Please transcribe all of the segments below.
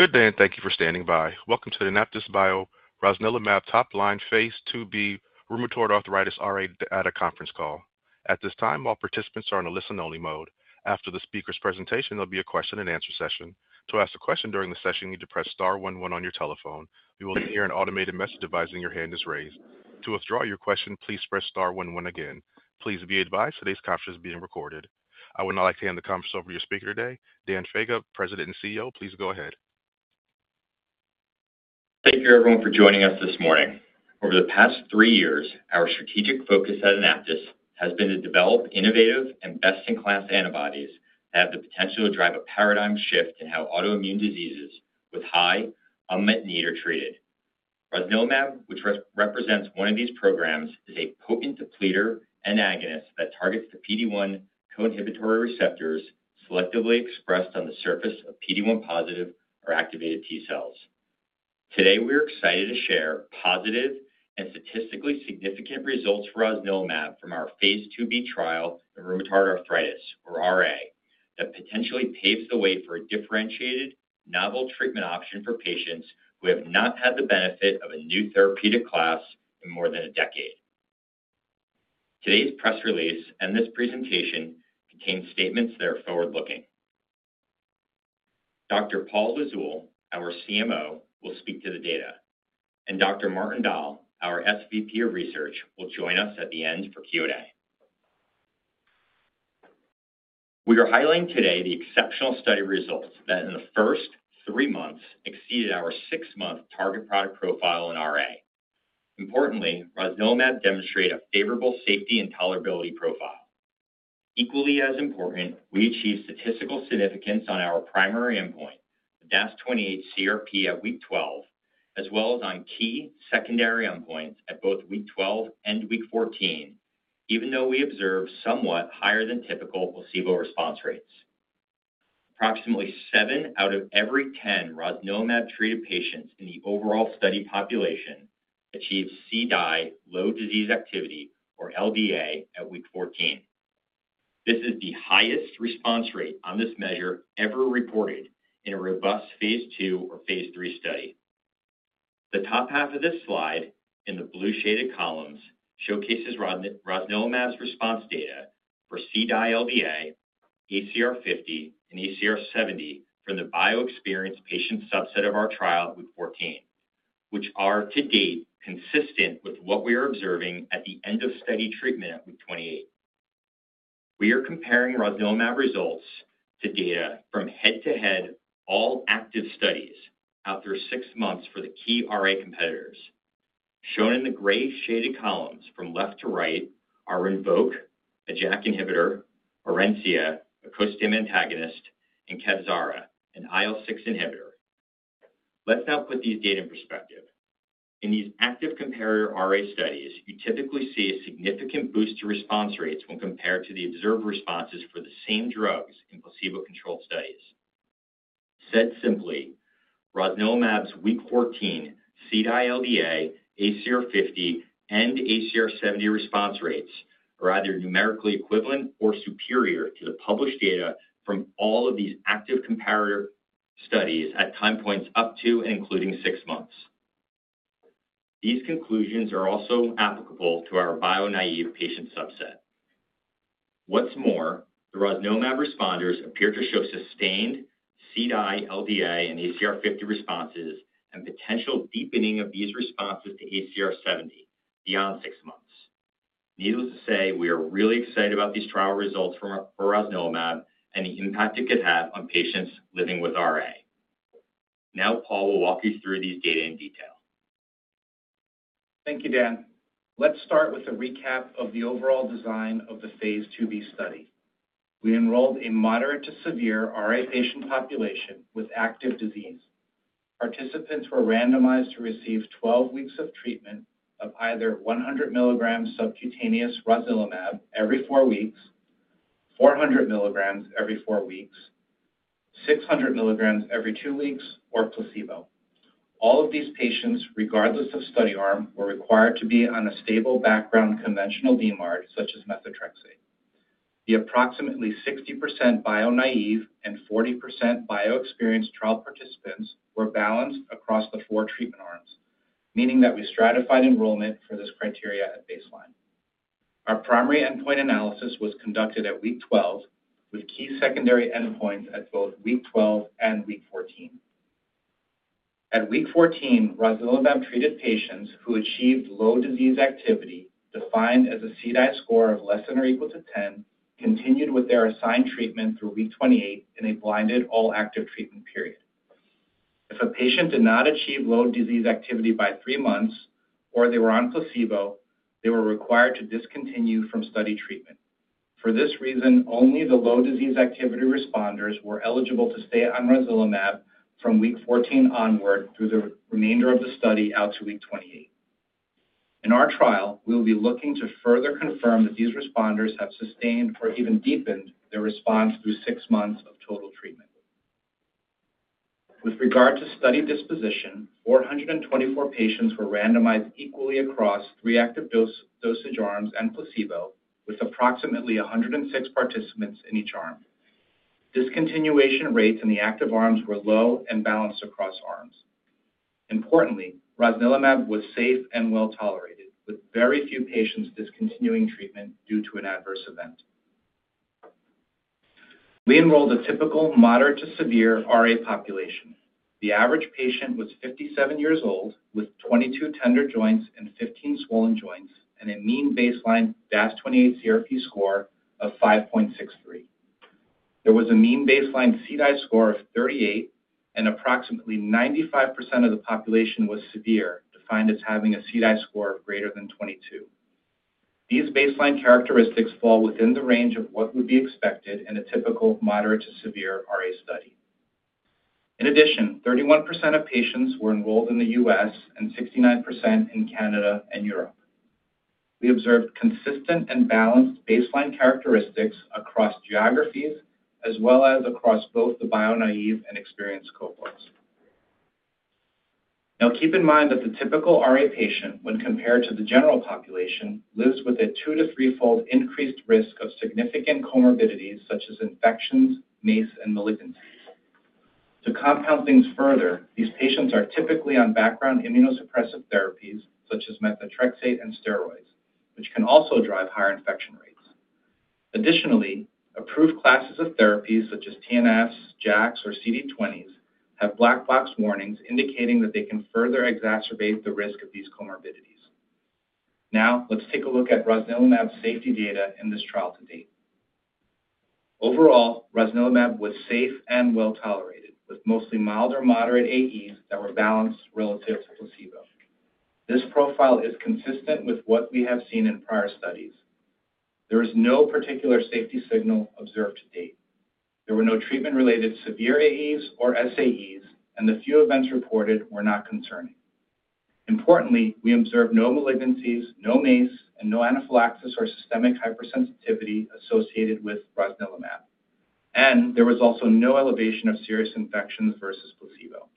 Good day, and thank you for standing by. Welcome to the AnaptysBio rosnilimab top line phase II-B rheumatoid arthritis RA data conference call. At this time, all participants are in a listen-only mode. After the speaker's presentation, there'll be a question-and-answer session. To ask a question during the session, you need to press star one one on your telephone. You will hear an automated message advising your hand is raised. To withdraw your question, please press star one one again. Please be advised today's conference is being recorded. I would now like to hand the conference over to your speaker today, Dan Faga, President and CEO. Please go ahead. Thank you, everyone, for joining us this morning. Over the past three years, our strategic focus at AnaptysBio has been to develop innovative and best-in-class antibodies that have the potential to drive a paradigm shift in how autoimmune diseases with high, unmet need are treated. Rosnilimab, which represents one of these programs, is a potent depleter and agonist that targets the PD-1 co-inhibitory receptors selectively expressed on the surface of PD-1 positive or activated T cells. Today, we are excited to share positive and statistically significant results for rosnilimab from our phase II-B trial in rheumatoid arthritis, or RA, that potentially paves the way for a differentiated, novel treatment option for patients who have not had the benefit of a new therapeutic class in more than a decade. Today's press release and this presentation contain statements that are forward-looking. Dr. Paul Lizzul, our CMO, will speak to the data, and Dr. Martin Dahl, our SVP of Research, will join us at the end for Q&A. We are highlighting today the exceptional study results that, in the first three months, exceeded our six-month target product profile in RA. Importantly, rosnilimab demonstrated a favorable safety and tolerability profile. Equally as important, we achieved statistical significance on our primary endpoint, the DAS28-CRP at week 12, as well as on key secondary endpoints at both week 12 and week 14, even though we observed somewhat higher-than-typical placebo response rates. Approximately 7 out of every 10 rosnilimab-treated patients in the overall study population achieved CDAI, low disease activity, or LDA at week 14. This is the highest response rate on this measure ever reported in a robust phase II or phase III study. The top half of this slide, in the blue-shaded columns, showcases rosnilimab's response data for CDAI LDA, ACR 50, and ACR 70 from the bio-experienced patient subset of our trial at week 14, which are, to date, consistent with what we are observing at the end-of-study treatment at week 28. We are comparing rosnilimab results to data from head-to-head all-active studies after six months for the key RA competitors. Shown in the gray-shaded columns from left to right are Rinvoq, a JAK inhibitor, Orencia, a costimulation antagonist, and Kevzara, an IL-6 inhibitor. Let's now put these data in perspective. In these active comparator RA studies, you typically see a significant boost to response rates when compared to the observed responses for the same drugs in placebo-controlled studies. Said simply, rosnilimab's week 14 CDAI LDA, ACR 50, and ACR 70 response rates are either numerically equivalent or superior to the published data from all of these active comparator studies at time points up to and including six months. These conclusions are also applicable to our bio-naïve patient subset. What's more, the rosnilimab responders appear to show sustained CDAI LDA and ACR 50 responses and potential deepening of these responses to ACR 70 beyond six months. Needless to say, we are really excited about these trial results for rosnilimab and the impact it could have on patients living with RA. Now, Paul will walk you through these data in detail. Thank you, Dan. Let's start with a recap of the overall design of the phase II-B study. We enrolled a moderate-to-severe RA patient population with active disease. Participants were randomized to receive 12 weeks of treatment of either 100 mg subcutaneous rosnilimab every four weeks, 400 mg every four weeks, 600 mg every two weeks, or placebo. All of these patients, regardless of study arm, were required to be on a stable background conventional DMARD, such as methotrexate. The approximately 60% bio-naïve and 40% bio-experienced trial participants were balanced across the four treatment arms, meaning that we stratified enrollment for this criteria at baseline. Our primary endpoint analysis was conducted at week 12, with key secondary endpoints at both week 12 and week 14. At week 14, rosnilimab-treated patients who achieved low disease activity, defined as a CDAI score of less than or equal to 10, continued with their assigned treatment through week 28 in a blinded all-active treatment period. If a patient did not achieve low disease activity by three months or they were on placebo, they were required to discontinue from study treatment. For this reason, only the low disease activity responders were eligible to stay on rosnilimab from week 14 onward through the remainder of the study out to week 28. In our trial, we will be looking to further confirm that these responders have sustained or even deepened their response through six months of total treatment. With regard to study disposition, 424 patients were randomized equally across three active dosage arms and placebo, with approximately 106 participants in each arm. Discontinuation rates in the active arms were low and balanced across arms. Importantly, rosnilimab was safe and well tolerated, with very few patients discontinuing treatment due to an adverse event. We enrolled a typical moderate-to-severe RA population. The average patient was 57 years old, with 22 tender joints and 15 swollen joints and a mean baseline DAS28-CRP score of 5.63. There was a mean baseline CDAI score of 38, and approximately 95% of the population was severe, defined as having a CDAI score of greater than 22. These baseline characteristics fall within the range of what would be expected in a typical moderate-to-severe RA study. In addition, 31% of patients were enrolled in the US and 69% in Canada and Europe. We observed consistent and balanced baseline characteristics across geographies, as well as across both the bio-naïve and bio-experienced cohorts. Now, keep in mind that the typical RA patient, when compared to the general population, lives with a two to three-fold increased risk of significant comorbidities, such as infections, MACE, and malignancies. To compound things further, these patients are typically on background immunosuppressive therapies, such as methotrexate and steroids, which can also drive higher infection rates. Additionally, approved classes of therapies, such as TNFs, JAKs, or CD20s, have black box warnings indicating that they can further exacerbate the risk of these comorbidities. Now, let's take a look at rosnilimab's safety data in this trial to date. Overall, rosnilimab was safe and well tolerated, with mostly mild or moderate AEs that were balanced relative to placebo. This profile is consistent with what we have seen in prior studies. There is no particular safety signal observed to date. There were no treatment-related severe AEs or SAEs, and the few events reported were not concerning. Importantly, we observed no malignancies, no MACE, and no anaphylaxis or systemic hypersensitivity associated with rosnilimab, and there was also no elevation of serious infections versus placebo.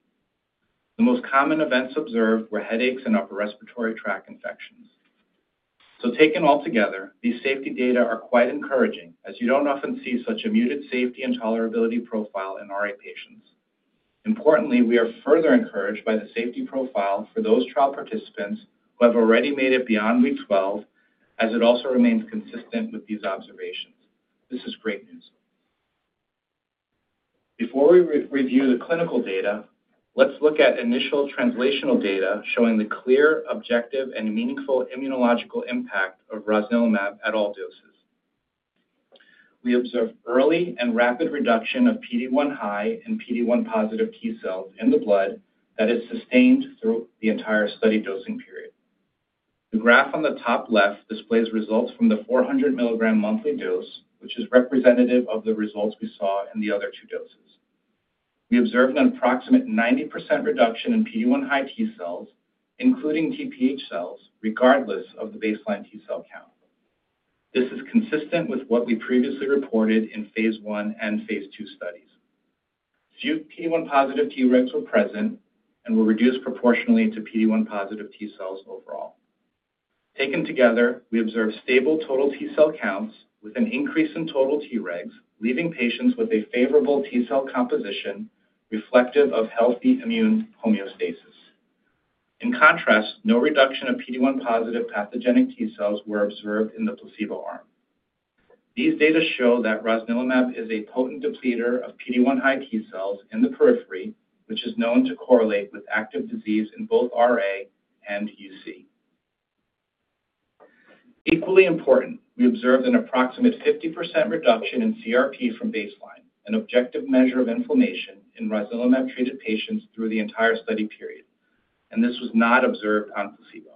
The most common events observed were headaches and upper respiratory tract infections, so taken all together, these safety data are quite encouraging, as you don't often see such a muted safety and tolerability profile in RA patients. Importantly, we are further encouraged by the safety profile for those trial participants who have already made it beyond week 12, as it also remains consistent with these observations. This is great news. Before we review the clinical data, let's look at initial translational data showing the clear, objective, and meaningful immunological impact of rosnilimab at all doses. We observed early and rapid reduction of PD-1 high and PD-1 positive T cells in the blood that is sustained through the entire study dosing period. The graph on the top left displays results from the 400 mg monthly dose, which is representative of the results we saw in the other two doses. We observed an approximate 90% reduction in PD-1 high T cells, including TPH cells, regardless of the baseline T cell count. This is consistent with what we previously reported in phase I and phase II studies. Few PD-1 positive Tregs were present and were reduced proportionally to PD-1 positive T cells overall. Taken together, we observed stable total T cell counts with an increase in total Tregs, leaving patients with a favorable T cell composition reflective of healthy immune homeostasis. In contrast, no reduction of PD-1 positive pathogenic T cells were observed in the placebo arm. These data show that rosnilimab is a potent depleter of PD-1 high T cells in the periphery, which is known to correlate with active disease in both RA and UC. Equally important, we observed an approximate 50% reduction in CRP from baseline, an objective measure of inflammation in rosnilimab-treated patients through the entire study period, and this was not observed on placebo.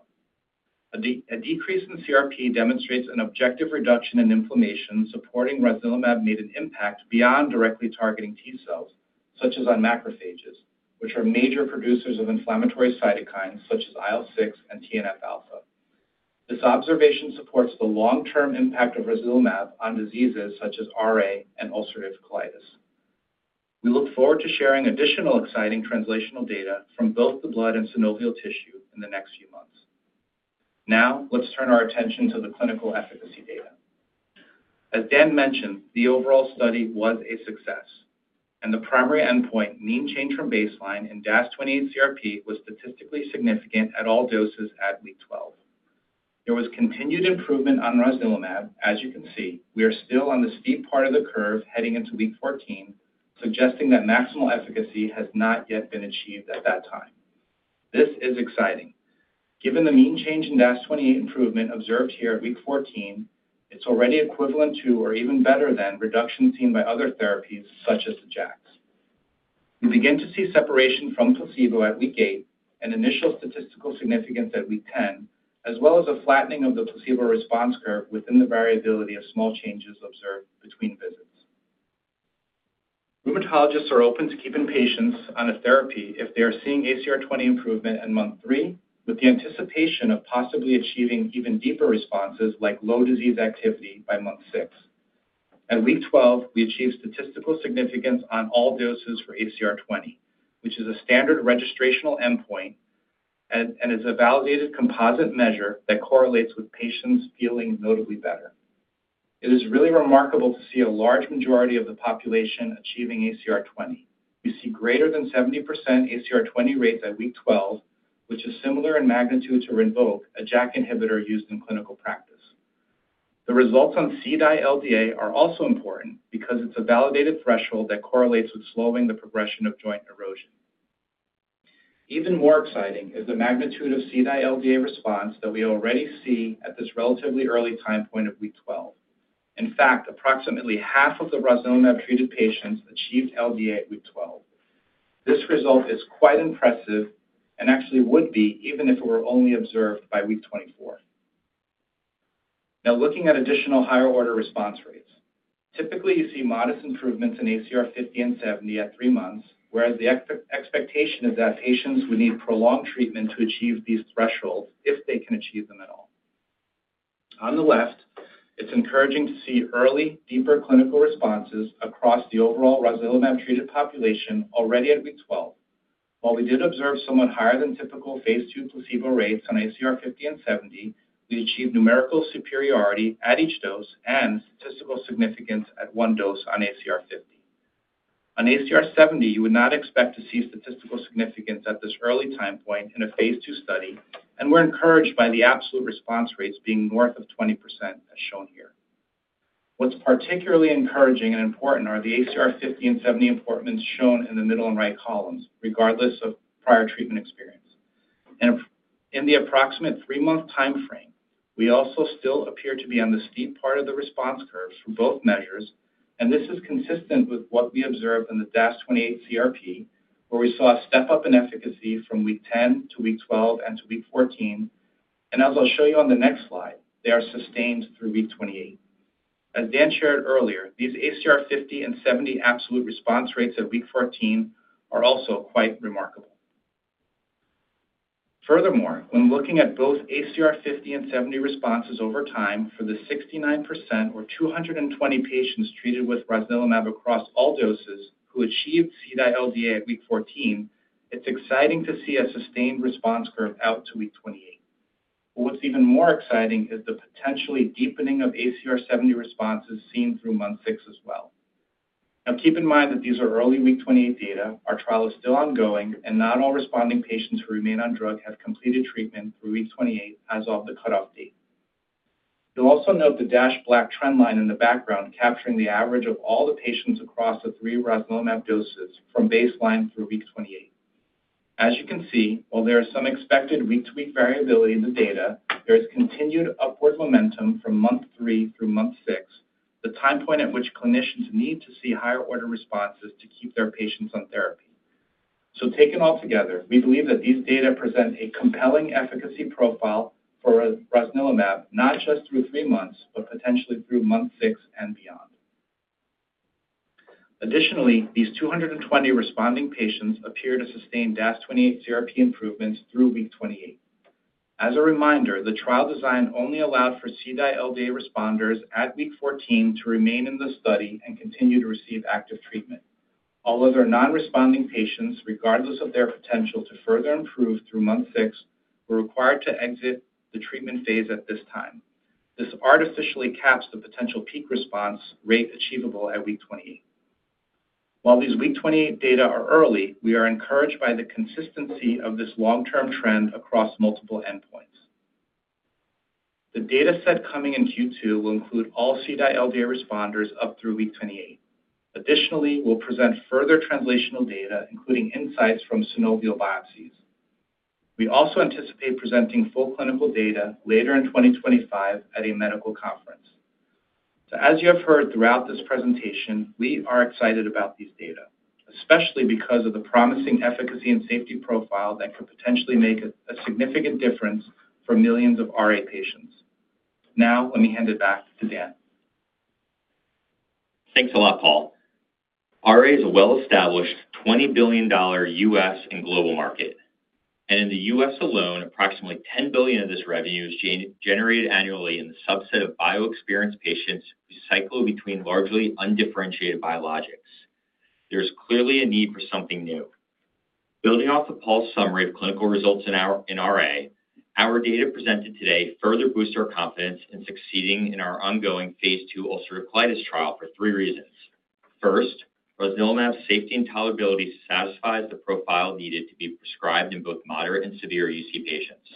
A decrease in CRP demonstrates an objective reduction in inflammation supporting rosnilimab made an impact beyond directly targeting T cells, such as on macrophages, which are major producers of inflammatory cytokines such as IL-6 and TNF-alpha. This observation supports the long-term impact of rosnilimab on diseases such as RA and ulcerative colitis. We look forward to sharing additional exciting translational data from both the blood and synovial tissue in the next few months. Now, let's turn our attention to the clinical efficacy data. As Dan mentioned, the overall study was a success, and the primary endpoint, mean change from baseline in DAS28-CRP, was statistically significant at all doses at week 12. There was continued improvement on rosnilimab, as you can see. We are still on the steep part of the curve heading into week 14, suggesting that maximal efficacy has not yet been achieved at that time. This is exciting. Given the mean change in DAS28-CRP improvement observed here at week 14, it's already equivalent to or even better than reductions seen by other therapies, such as the JAKs. We begin to see separation from placebo at week eight and initial statistical significance at week 10, as well as a flattening of the placebo response curve within the variability of small changes observed between visits. Rheumatologists are open to keeping patients on a therapy if they are seeing ACR 20 improvement in month three, with the anticipation of possibly achieving even deeper responses like low disease activity by month six. At week 12, we achieve statistical significance on all doses for ACR 20, which is a standard registrational endpoint and is a validated composite measure that correlates with patients feeling notably better. It is really remarkable to see a large majority of the population achieving ACR 20. We see greater than 70% ACR 20 rates at week 12, which is similar in magnitude to Rinvoq, a JAK inhibitor used in clinical practice. The results on CDAI LDA are also important because it's a validated threshold that correlates with slowing the progression of joint erosion. Even more exciting is the magnitude of CDAI LDA response that we already see at this relatively early time point of week 12. In fact, approximately half of the rosnilimab-treated patients achieved LDA at week 12. This result is quite impressive and actually would be even if it were only observed by week 24. Now, looking at additional higher order response rates, typically you see modest improvements in ACR 50 and 70 at three months, whereas the expectation is that patients would need prolonged treatment to achieve these thresholds if they can achieve them at all. On the left, it's encouraging to see early, deeper clinical responses across the overall rosnilimab-treated population already at week 12. While we did observe somewhat higher than typical phase II placebo rates on ACR 50 and ACR 70, we achieved numerical superiority at each dose and statistical significance at one dose on ACR 50. On ACR 70, you would not expect to see statistical significance at this early time point in a phase II study, and we're encouraged by the absolute response rates being north of 20%, as shown here. What's particularly encouraging and important are the ACR 50 and ACR 70 improvements shown in the middle and right columns, regardless of prior treatment experience. In the approximate three-month time frame, we also still appear to be on the steep part of the response curves for both measures, and this is consistent with what we observed in the DAS28-CRP, where we saw a step-up in efficacy from week 10 to week 12 and to week 14. And as I'll show you on the next slide, they are sustained through week 28. As Dan shared earlier, these ACR 50 and 70 absolute response rates at week 14 are also quite remarkable. Furthermore, when looking at both ACR 50 and ACR 70 responses over time for the 69% or 220 patients treated with rosnilimab across all doses who achieved CDAI LDA at week 14, it's exciting to see a sustained response curve out to week 28. But what's even more exciting is the potentially deepening of ACR 70 responses seen through month six as well. Now, keep in mind that these are early week 28 data. Our trial is still ongoing, and not all responding patients who remain on drug have completed treatment through week 28 as of the cutoff date. You'll also note the dashed black trend line in the background capturing the average of all the patients across the three rosnilimab doses from baseline through week 28. As you can see, while there is some expected week-to-week variability in the data, there is continued upward momentum from month three through month six, the time point at which clinicians need to see higher order responses to keep their patients on therapy. So, taken all together, we believe that these data present a compelling efficacy profile for rosnilimab, not just through three months, but potentially through month six and beyond. Additionally, these 220 responding patients appear to sustain DAS28-CRP improvements through week 28. As a reminder, the trial design only allowed for CDAI LDA responders at week 14 to remain in the study and continue to receive active treatment. All other non-responding patients, regardless of their potential to further improve through month six, were required to exit the treatment phase at this time. This artificially caps the potential peak response rate achievable at week 28. While these week 28 data are early, we are encouraged by the consistency of this long-term trend across multiple endpoints. The data set coming in Q2 will include all CDAI LDA responders up through week 28. Additionally, we'll present further translational data, including insights from synovial biopsies. We also anticipate presenting full clinical data later in 2025 at a medical conference. So, as you have heard throughout this presentation, we are excited about these data, especially because of the promising efficacy and safety profile that could potentially make a significant difference for millions of RA patients. Now, let me hand it back to Dan. Thanks a lot, Paul. RA is a well-established $20 billion US and global market, and in the US alone, approximately $10 billion of this revenue is generated annually in the subset of bio-experienced patients who cycle between largely undifferentiated biologics. There is clearly a need for something new. Building off of Paul's summary of clinical results in RA, our data presented today further boosts our confidence in succeeding in our ongoing phase II ulcerative colitis trial for three reasons. First, rosnilimab safety and tolerability satisfies the profile needed to be prescribed in both moderate and severe UC patients.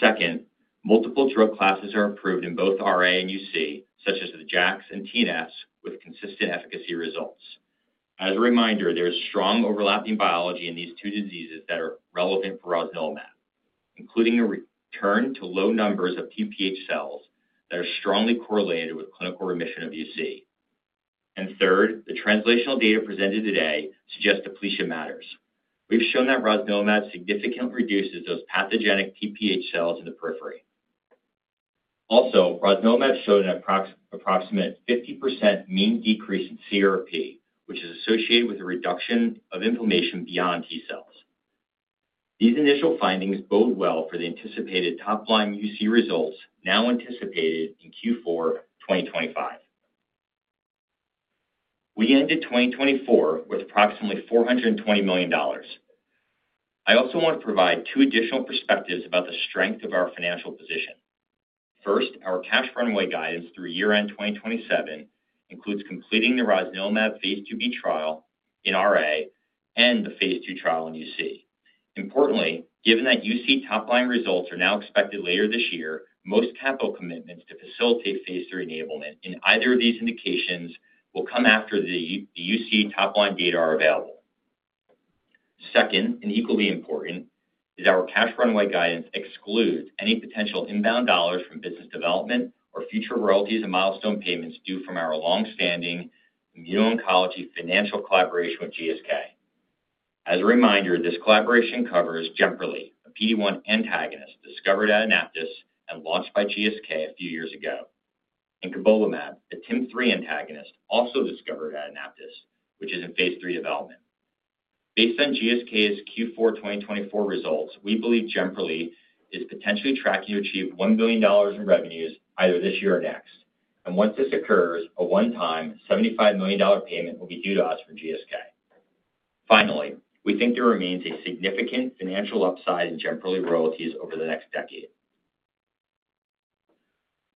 Second, multiple drug classes are approved in both RA and UC, such as the JAKs and TNFs, with consistent efficacy results. As a reminder, there is strong overlapping biology in these two diseases that are relevant for rosnilimab, including a return to low numbers of TPH cells that are strongly correlated with clinical remission of UC, and third, the translational data presented today suggests depletion matters. We've shown that rosnilimab significantly reduces those pathogenic TPH cells in the periphery. Also, rosnilimab showed an approximate 50% mean decrease in CRP, which is associated with a reduction of inflammation beyond T cells. These initial findings bode well for the anticipated top-line UC results now anticipated in Q4 2025. We ended 2024 with approximately $420 million. I also want to provide two additional perspectives about the strength of our financial position. First, our cash runway guidance through year-end 2027 includes completing the rosnilimab phase II-B trial in RA and the phase II trial in UC. Importantly, given that UC top-line results are now expected later this year, most capital commitments to facilitate phase III enablement in either of these indications will come after the UC top-line data are available. Second, and equally important, is our cash runway guidance excludes any potential inbound dollars from business development or future royalties and milestone payments due from our long-standing immuno-oncology financial collaboration with GSK. As a reminder, this collaboration covers Jemperli, a PD-1 antagonist discovered at AnaptysBio and launched by GSK a few years ago, and cobolimab, a TIM-3 antagonist also discovered at AnaptysBio, which is in phase III development. Based on GSK's Q4 2024 results, we believe Jemperli is potentially tracking to achieve $1 billion in revenues either this year or next, and once this occurs, a one-time $75 million payment will be due to us from GSK. Finally, we think there remains a significant financial upside in Jemperli royalties over the next decade.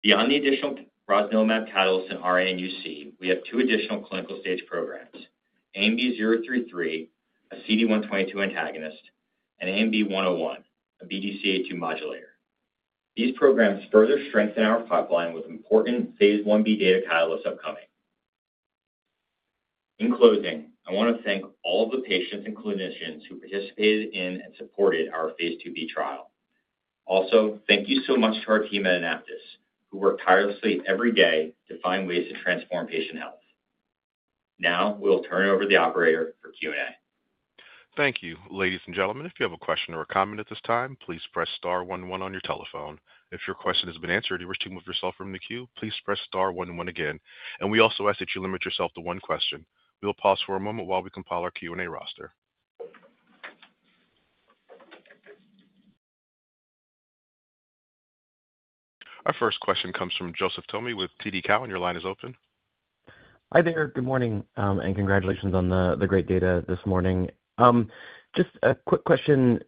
Beyond the additional rosnilimab catalysts in RA and UC, we have two additional clinical stage programs: ANB033, a CD122 antagonist, and ANB101, a BDCA2 modulator. These programs further strengthen our pipeline with important phase I-B data catalysts upcoming. In closing, I want to thank all of the patients and clinicians who participated in and supported our phase II-B trial. Also, thank you so much to our team at AnaptysBio, who work tirelessly every day to find ways to transform patient health. Now, we'll turn it over to the operator for Q&A. Thank you. Ladies and gentlemen, if you have a question or a comment at this time, please press star one one on your telephone. If your question has been answered and you wish to move yourself from the queue, please press star one one again. And we also ask that you limit yourself to one question. We'll pause for a moment while we compile our Q&A roster. Our first question comes from Joseph Thome with TD Cowen. Your line is open. Hi there. Good morning and congratulations on the great data this morning. Just a quick question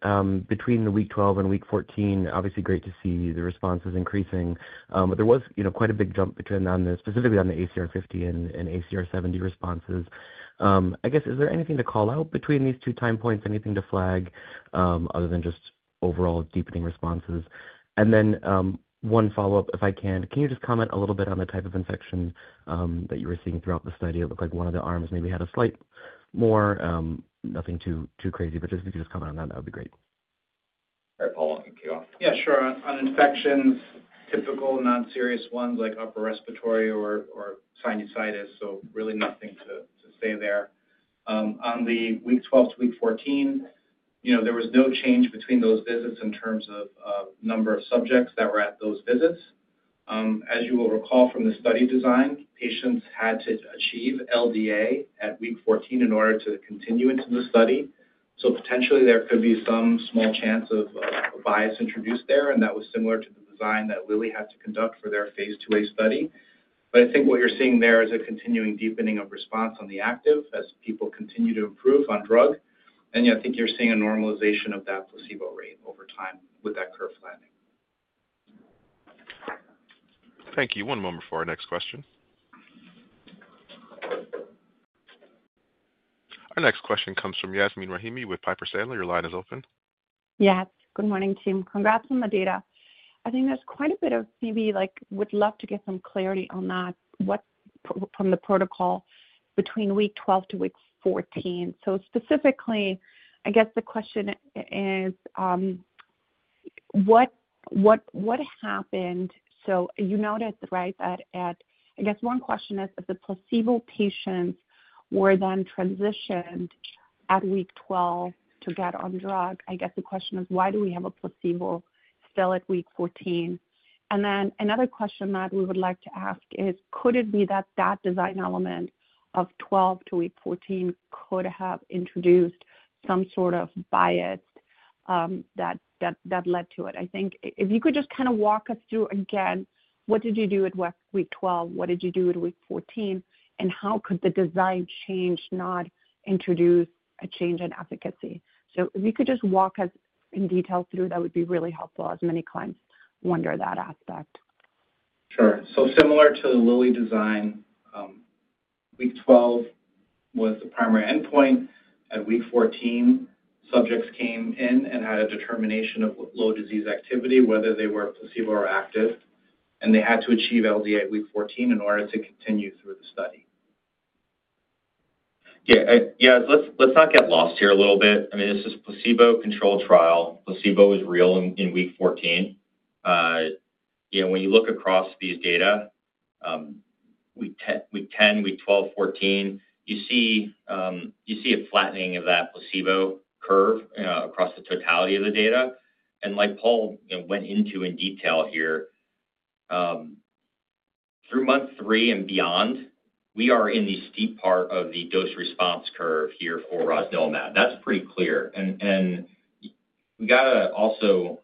between week 12 and week 14. Obviously, great to see the responses increasing. But there was quite a big jump between specifically on the ACR 50 and ACR 70 responses. I guess, is there anything to call out between these two time points? Anything to flag other than just overall deepening responses? And then one follow-up, if I can. Can you just comment a little bit on the type of infection that you were seeing throughout the study? It looked like one of the arms maybe had slightly more. Nothing too crazy, but if you could just comment on that, that would be great. All right, Paul. You can kick off. Yeah, sure. On infections, typical non-serious ones like upper respiratory or sinusitis. So really nothing to say there. On the week 12 to week 14, there was no change between those visits in terms of number of subjects that were at those visits. As you will recall from the study design, patients had to achieve LDA at week 14 in order to continue into the study. So potentially, there could be some small chance of bias introduced there. That was similar to the design that Lilly had to conduct for their phase II-A study. But I think what you're seeing there is a continuing deepening of response on the active as people continue to improve on drug. And I think you're seeing a normalization of that placebo rate over time with that curve flattening. Thank you. One moment for our next question. Our next question comes from Yasmeen Rahimi with Piper Sandler. Your line is open. Yes. Good morning, team. Congrats on the data. I think there's quite a bit of maybe would love to get some clarity on that from the protocol between week 12 to week 14. So specifically, I guess the question is, what happened? So you noted, right, that at I guess one question is, if the placebo patients were then transitioned at week 12 to get on drug, I guess the question is, why do we have a placebo still at week 14? Another question that we would like to ask is, could it be that that design element of week 12 to week 14 could have introduced some sort of bias that led to it? I think if you could just kind of walk us through again, what did you do at week 12? What did you do at week 14? And how could the design change not introduce a change in efficacy? So if you could just walk us in detail through, that would be really helpful as many clients wonder that aspect. Sure. So similar to the Lilly design, week 12 was the primary endpoint. At week 14, subjects came in and had a determination of low disease activity, whether they were placebo or active. And they had to achieve LDA at week 14 in order to continue through the study. Yeah. Yes. Let's not get lost here a little bit. I mean, this is a placebo-controlled trial. Placebo is real in week 14. When you look across these data, week 10, week 12, week 14, you see a flattening of that placebo curve across the totality of the data, and like Paul went into in detail here, through month three and beyond, we are in the steep part of the dose-response curve here for rosnilimab. That's pretty clear, and we got to also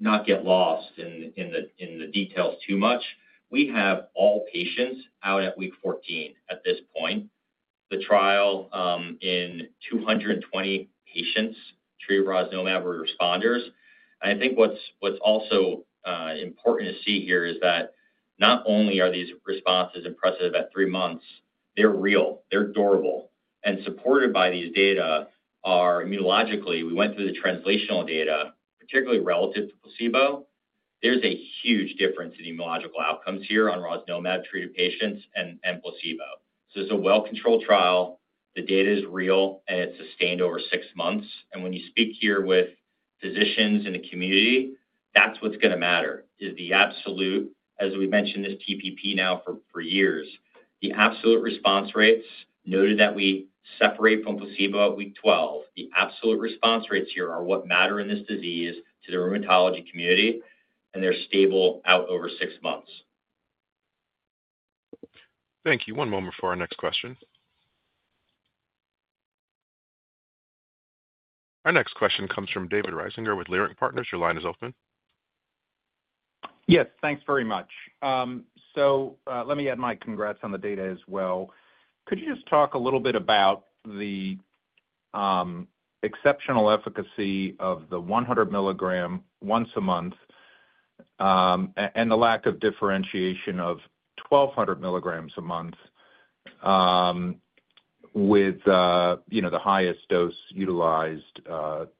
not get lost in the details too much. We have all patients out at week 14 at this point. The trial in 220 patients treated with rosnilimab were responders. I think what's also important to see here is that not only are these responses impressive at three months, they're real. They're durable. And, supported by these data, are immunologically. We went through the translational data, particularly relative to placebo. There's a huge difference in immunological outcomes here on rosnilimab-treated patients and placebo. So it's a well-controlled trial. The data is real, and it's sustained over six months. And when you speak here with physicians in the community, that's what's going to matter is the absolute, as we mentioned, this TPP now for years. The absolute response rates, noted that we separate from placebo at week 12, the absolute response rates here are what matter in this disease to the rheumatology community. And they're stable out over six months. Thank you. One moment for our next question. Our next question comes from David Risinger with Leerink Partners. Your line is open. Yes. Thanks very much. So let me add my congrats on the data as well. Could you just talk a little bit about the exceptional efficacy of the 100 mg once-a-month and the lack of differentiation of 1,200 mg a month with the highest dose utilized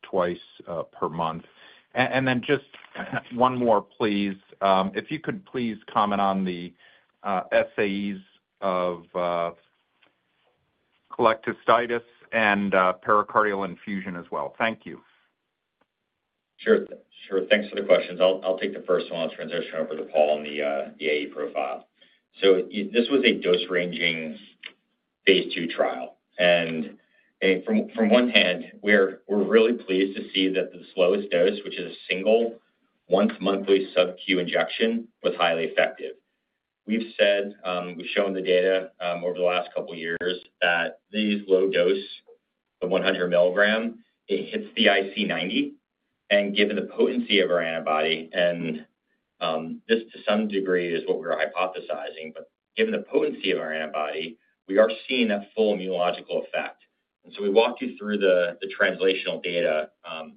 twice per month? And then just one more, please. If you could please comment on the SAEs of cholecystitis and pericardial effusion as well. Thank you. Sure. Sure. Thanks for the questions. I'll take the first one and transition over to Paul on the AE profile. So this was a dose-ranging phase 2 trial. From one hand, we're really pleased to see that the lowest dose, which is a single once-monthly sub-Q injection, was highly effective. We've shown the data over the last couple of years that these low-dose, the 100 mg, it hits the IC90. Given the potency of our antibody, and this to some degree is what we were hypothesizing, but given the potency of our antibody, we are seeing that full immunological effect. We walked you through the translational data.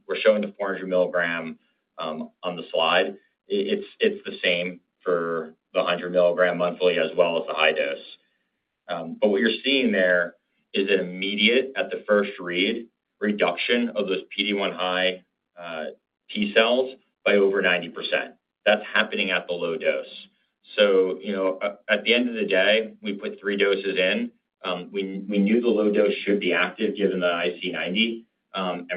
We're showing the 400 mg on the slide. It's the same for the 100 mg monthly as well as the high dose. What you're seeing there is an immediate, at the first read, reduction of those PD-1 high T cells by over 90%. That's happening at the low dose. At the end of the day, we put three doses in. We knew the low dose should be active given the IC90.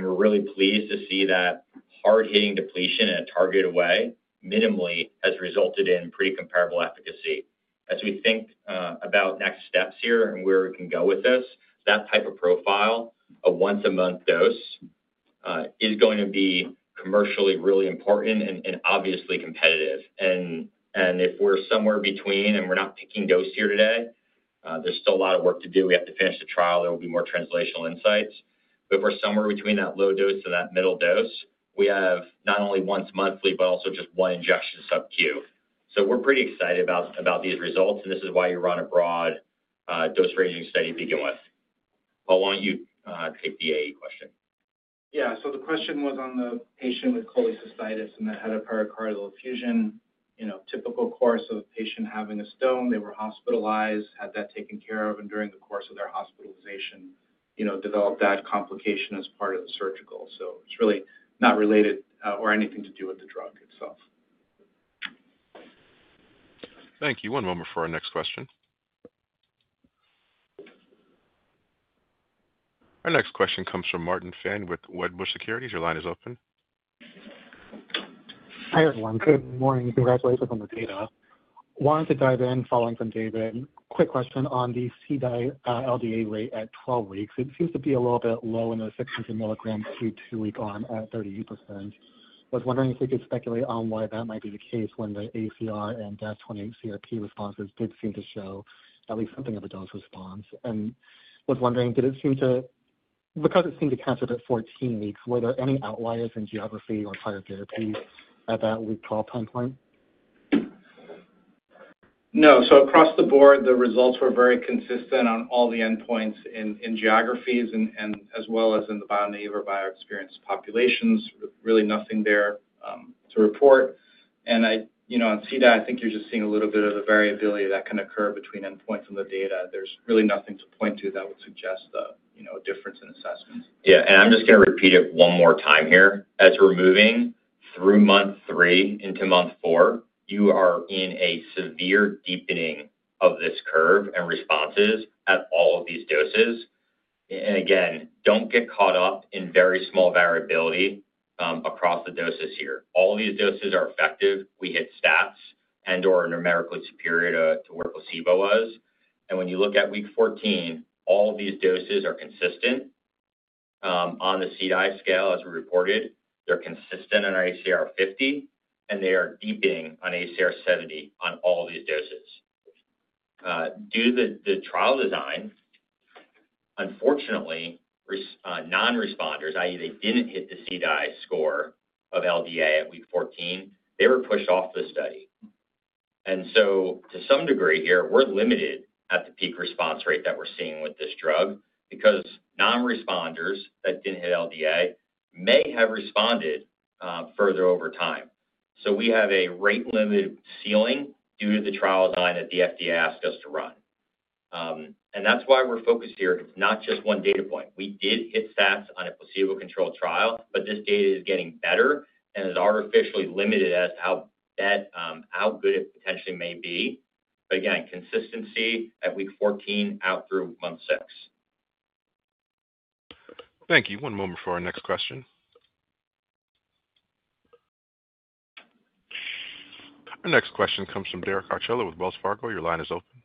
We're really pleased to see that hard-hitting depletion in a targeted way minimally has resulted in pretty comparable efficacy. As we think about next steps here and where we can go with this, that type of profile of once-a-month dose is going to be commercially really important and obviously competitive. And if we're somewhere between and we're not picking dose here today, there's still a lot of work to do. We have to finish the trial. There will be more translational insights. But if we're somewhere between that low dose and that middle dose, we have not only once monthly, but also just one injection sub-Q. So we're pretty excited about these results. And this is why you run a broad dose-ranging study to begin with. Paul, why don't you take the AE question? Yeah. So the question was on the patient with cholecystitis and that had a pericardial effusion. Typical course of a patient having a stone. They were hospitalized. Had that taken care of. And during the course of their hospitalization, developed that complication as part of the surgical. So it's really not related or anything to do with the drug itself. Thank you. One moment for our next question. Our next question comes from Martin Fan with Wedbush Securities. Your line is open. Hi, everyone. Good morning. Congratulations on the data. Wanted to dive in following from David. Quick question on the CDAI LDA rate at 12 weeks. It seems to be a little bit low in the 600 mg to Q2 on at 38%. I was wondering if we could speculate on why that might be the case when the ACR and DAS28-CRP responses did seem to show at least something of a dose response. I was wondering, did it seem to because it seemed to catch it at 14 weeks, were there any outliers in geography or prior therapy at that week 12 time point? No. So across the board, the results were very consistent on all the endpoints in geographies and as well as in the bio-naive or bio-experienced populations. Really nothing there to report. On CDAI, I think you're just seeing a little bit of a variability that can occur between endpoints in the data. There's really nothing to point to that would suggest a difference in assessments. Yeah. I'm just going to repeat it one more time here. As we're moving through month three into month four, you're seeing a deepening of this curve and responses at all of these doses. Again, don't get caught up in very small variability across the doses here. All of these doses are effective. We hit stats and/or numerically superior to where placebo was. And when you look at week 14, all of these doses are consistent on the CDAI scale as we reported. They're consistent on ACR 50. And they are deepening on ACR 70 on all these doses. Due to the trial design, unfortunately, non-responders, i.e., they didn't hit the CDAI score of LDA at week 14, they were pushed off the study. And so to some degree here, we're limited at the peak response rate that we're seeing with this drug because non-responders that didn't hit LDA may have responded further over time. So we have a rate-limited ceiling due to the trial design that the FDA asked us to run. And that's why we're focused here, not just one data point. We did hit stats on a placebo-controlled trial, but this data is getting better and is artificially limited as to how good it potentially may be. But again, consistency at week 14 out through month six. Thank you. One moment for our next question. Our next question comes from Derek Archila with Wells Fargo. Your line is open.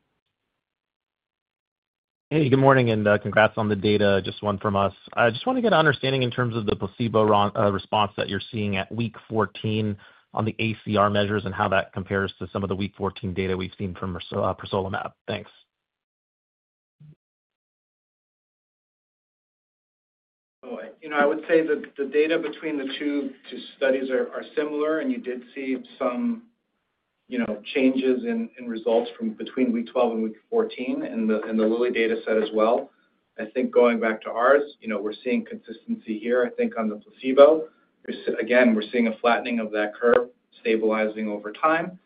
Hey. Good morning. And congrats on the data, just one from us. I just want to get an understanding in terms of the placebo response that you're seeing at week 14 on the ACR measures and how that compares to some of the week 14 data we've seen from rosnilimab. Thanks. Oh, I would say the data between the two studies are similar. And you did see some changes in results between week 12 and week 14 in the Lilly data set as well. I think going back to ours, we're seeing consistency here, I think, on the placebo. Again, we're seeing a flattening of that curve stabilizing over time,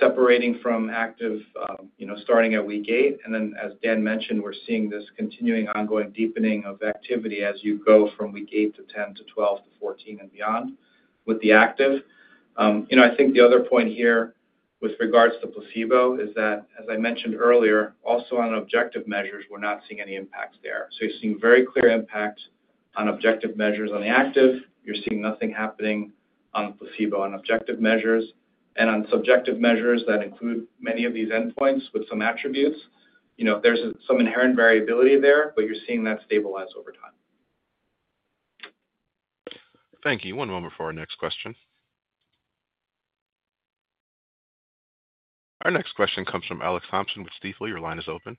separating from active starting at week eight. And then, as Dan mentioned, we're seeing this continuing ongoing deepening of activity as you go from week eight to week 10 to week 12 to week 14 and beyond with the active. I think the other point here with regards to placebo is that, as I mentioned earlier, also on objective measures, we're not seeing any impacts there. So you're seeing very clear impact on objective measures on the active. You're seeing nothing happening on placebo on objective measures. And on subjective measures that include many of these endpoints with some attributes, there's some inherent variability there, but you're seeing that stabilize over time. Thank you. One moment for our next question. Our next question comes from Alex Thompson with Stifel. Your line is open.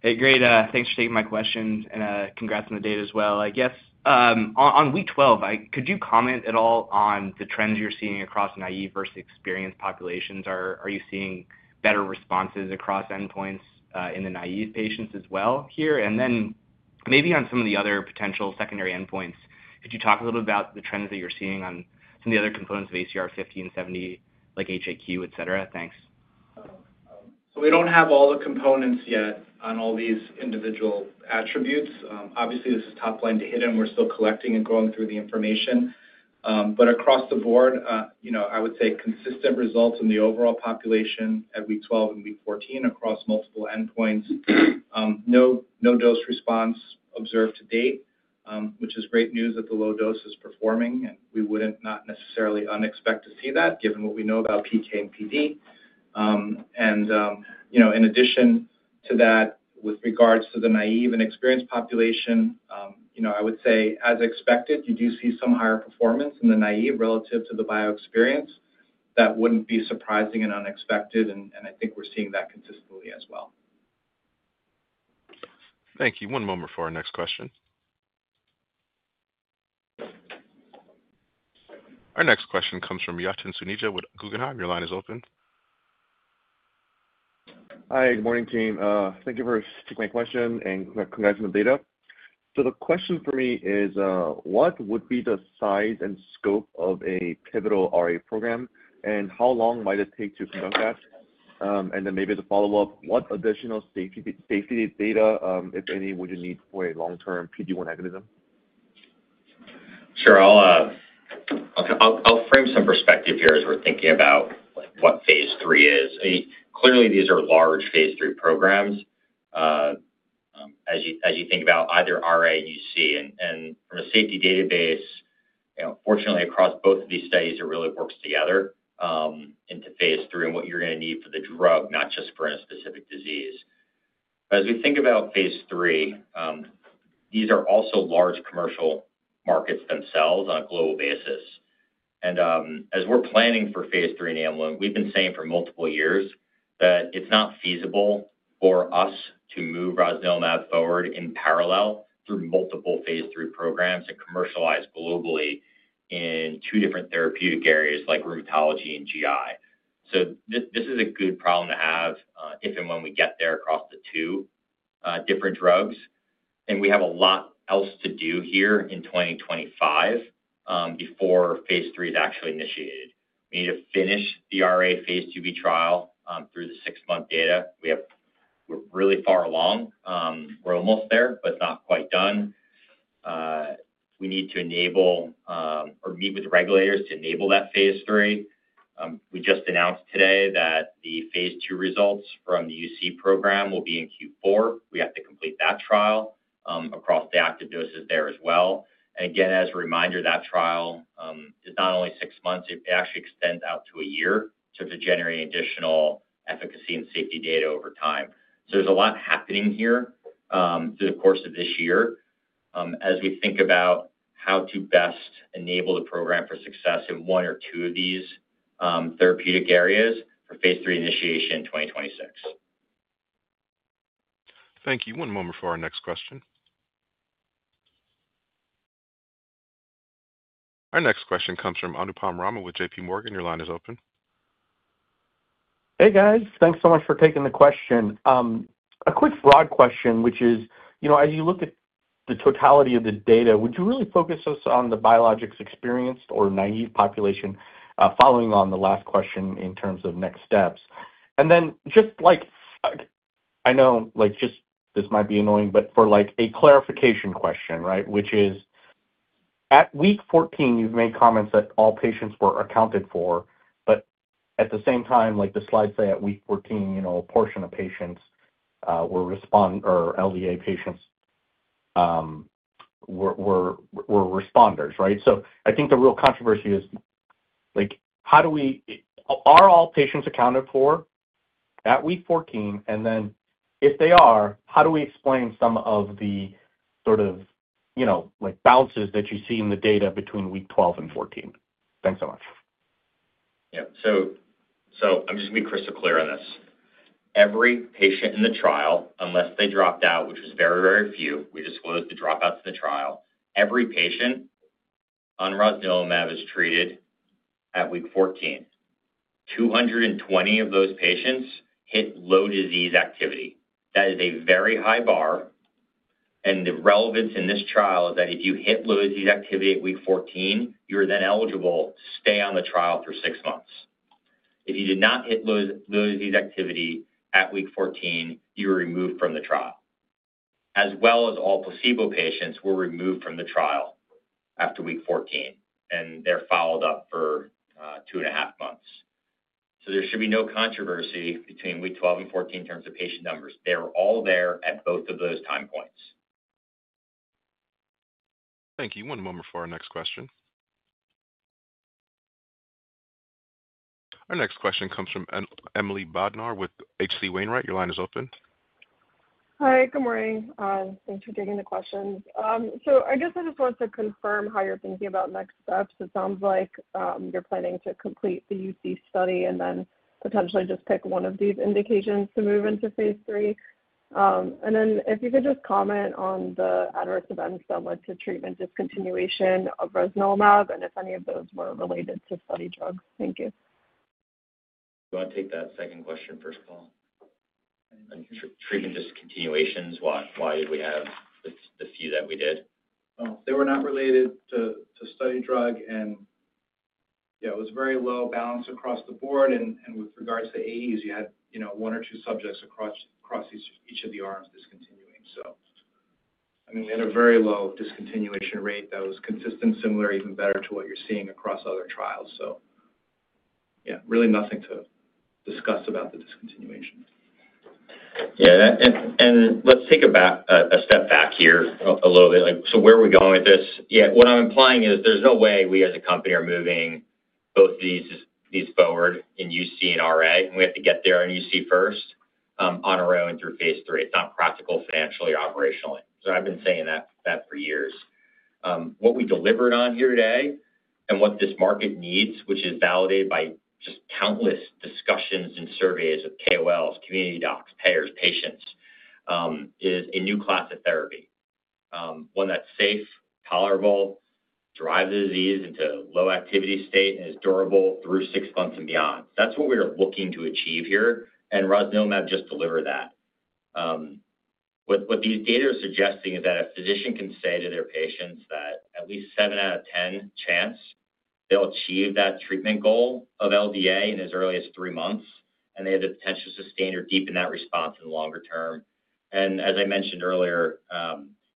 Hey. Great. Thanks for taking my question. And congrats on the data as well. I guess on week 12, could you comment at all on the trends you're seeing across naive versus experienced populations? Are you seeing better responses across endpoints in the naive patients as well here? And then maybe on some of the other potential secondary endpoints, could you talk a little bit about the trends that you're seeing on some of the other components of ACR 50 and ACR 70, like HAQ, etc.? Thanks. So we don't have all the components yet on all these individual attributes. Obviously, this is top line to hit them. We're still collecting and going through the information. But across the board, I would say consistent results in the overall population at week 12 and week 14 across multiple endpoints. No dose response observed to date, which is great news that the low dose is performing, and we wouldn't not necessarily expect to see that given what we know about PK and PD. And in addition to that, with regards to the naive and experienced population, I would say, as expected, you do see some higher performance in the naive relative to the bio-experienced. That wouldn't be surprising and unexpected. And I think we're seeing that consistently as well. Thank you. One moment for our next question. Our next question comes from Yatin Suneja with Guggenheim. Your line is open. Hi. Good morning, team. Thank you for taking my question and congrats on the data, so the question for me is, what would be the size and scope of a pivotal RA program? And how long might it take to conduct that? And then maybe as a follow-up, what additional safety data, if any, would you need for a long-term PD-1 mechanism? Sure. I'll frame some perspective here as we're thinking about what phase III is. Clearly, these are large phase III programs as you think about either RA or UC. And from a safety database, fortunately, across both of these studies, it really works together into phase III and what you're going to need for the drug, not just for a specific disease. But as we think about phase III, these are also large commercial markets themselves on a global basis. And as we're planning for phase III enablement, we've been saying for multiple years that it's not feasible for us to move rosnilimab forward in parallel through multiple phase III programs and commercialize globally in two different therapeutic areas like rheumatology and GI. This is a good problem to have if and when we get there across the two different drugs. We have a lot else to do here in 2025 before phase III is actually initiated. We need to finish the RA phase II-B trial through the six-month data. We're really far along. We're almost there, but it's not quite done. We need to enable or meet with regulators to enable that phase III. We just announced today that the phase II results from the UC program will be in Q4. We have to complete that trial across the active doses there as well. Again, as a reminder, that trial is not only six months. It actually extends out to a year to generate additional efficacy and safety data over time. So there's a lot happening here through the course of this year as we think about how to best enable the program for success in one or two of these therapeutic areas for phase III initiation in 2026. Thank you. One moment for our next question. Our next question comes from Anupam Rama with J.P. Morgan. Your line is open. Hey, guys. Thanks so much for taking the question. A quick broad question, which is, as you look at the totality of the data, would you really focus us on the biologics experienced or naive population following on the last question in terms of next steps? And then just like I know just this might be annoying, but for a clarification question, right, which is, at week 14, you've made comments that all patients were accounted for. But at the same time, the slides say at week 14, a portion of patients were responders or LDA patients were responders, right? So I think the real controversy is, how are all patients accounted for at week 14? And then if they are, how do we explain some of the sort of bounces that you see in the data between week 12 and 14? Thanks so much. Yeah. So I'm just going to be crystal clear on this. Every patient in the trial, unless they dropped out, which was very, very few, we just closed the dropouts in the trial. Every patient on rosnilimab is treated at week 14. 220 of those patients hit low disease activity. That is a very high bar. And the relevance in this trial is that if you hit low disease activity at week 14, you're then eligible to stay on the trial for six months. If you did not hit low disease activity at week 14, you were removed from the trial. As well as all placebo patients were removed from the trial after week 14. And they're followed up for two and a half months. So there should be no controversy between week 12 and 14 in terms of patient numbers. They were all there at both of those time points. Thank you. One moment for our next question. Our next question comes from Emily Bodnar with H.C. Wainwright. Your line is open. Hi. Good morning. Thanks for taking the questions. So I guess I just wanted to confirm how you're thinking about next steps. It sounds like you're planning to complete the UC study and then potentially just pick one of these indications to move into phase 3. And then if you could just comment on the adverse events that led to treatment discontinuation of rosnilimab and if any of those were related to study drugs? Thank you. Do I take that second question first of all? Treatment discontinuations, why did we have the few that we did? They were not related to study drug. And yeah, it was very low incidence across the board. And with regards to AEs, you had one or two subjects across each of the arms discontinuing. So I mean, we had a very low discontinuation rate that was consistent, similar, even better than what you're seeing across other trials. So yeah, really nothing to discuss about the discontinuation. Yeah. Let's take a step back here a little bit. Where are we going with this? Yeah. What I'm implying is there's no way we as a company are moving both of these forward in UC and RA. We have to get there in UC first on our own through phase III. It's not practical financially or operationally. I've been saying that for years. What we delivered on here today and what this market needs, which is validated by just countless discussions and surveys of KOLs, community docs, payers, patients, is a new class of therapy, one that's safe, tolerable, drives the disease into a low activity state, and is durable through six months and beyond. That's what we're looking to achieve here. Rosnilimab just delivered that. What these data are suggesting is that a physician can say to their patients that at least seven out of 10 chance they'll achieve that treatment goal of LDA in as early as three months. And they have the potential to sustain or deepen that response in the longer term. And as I mentioned earlier,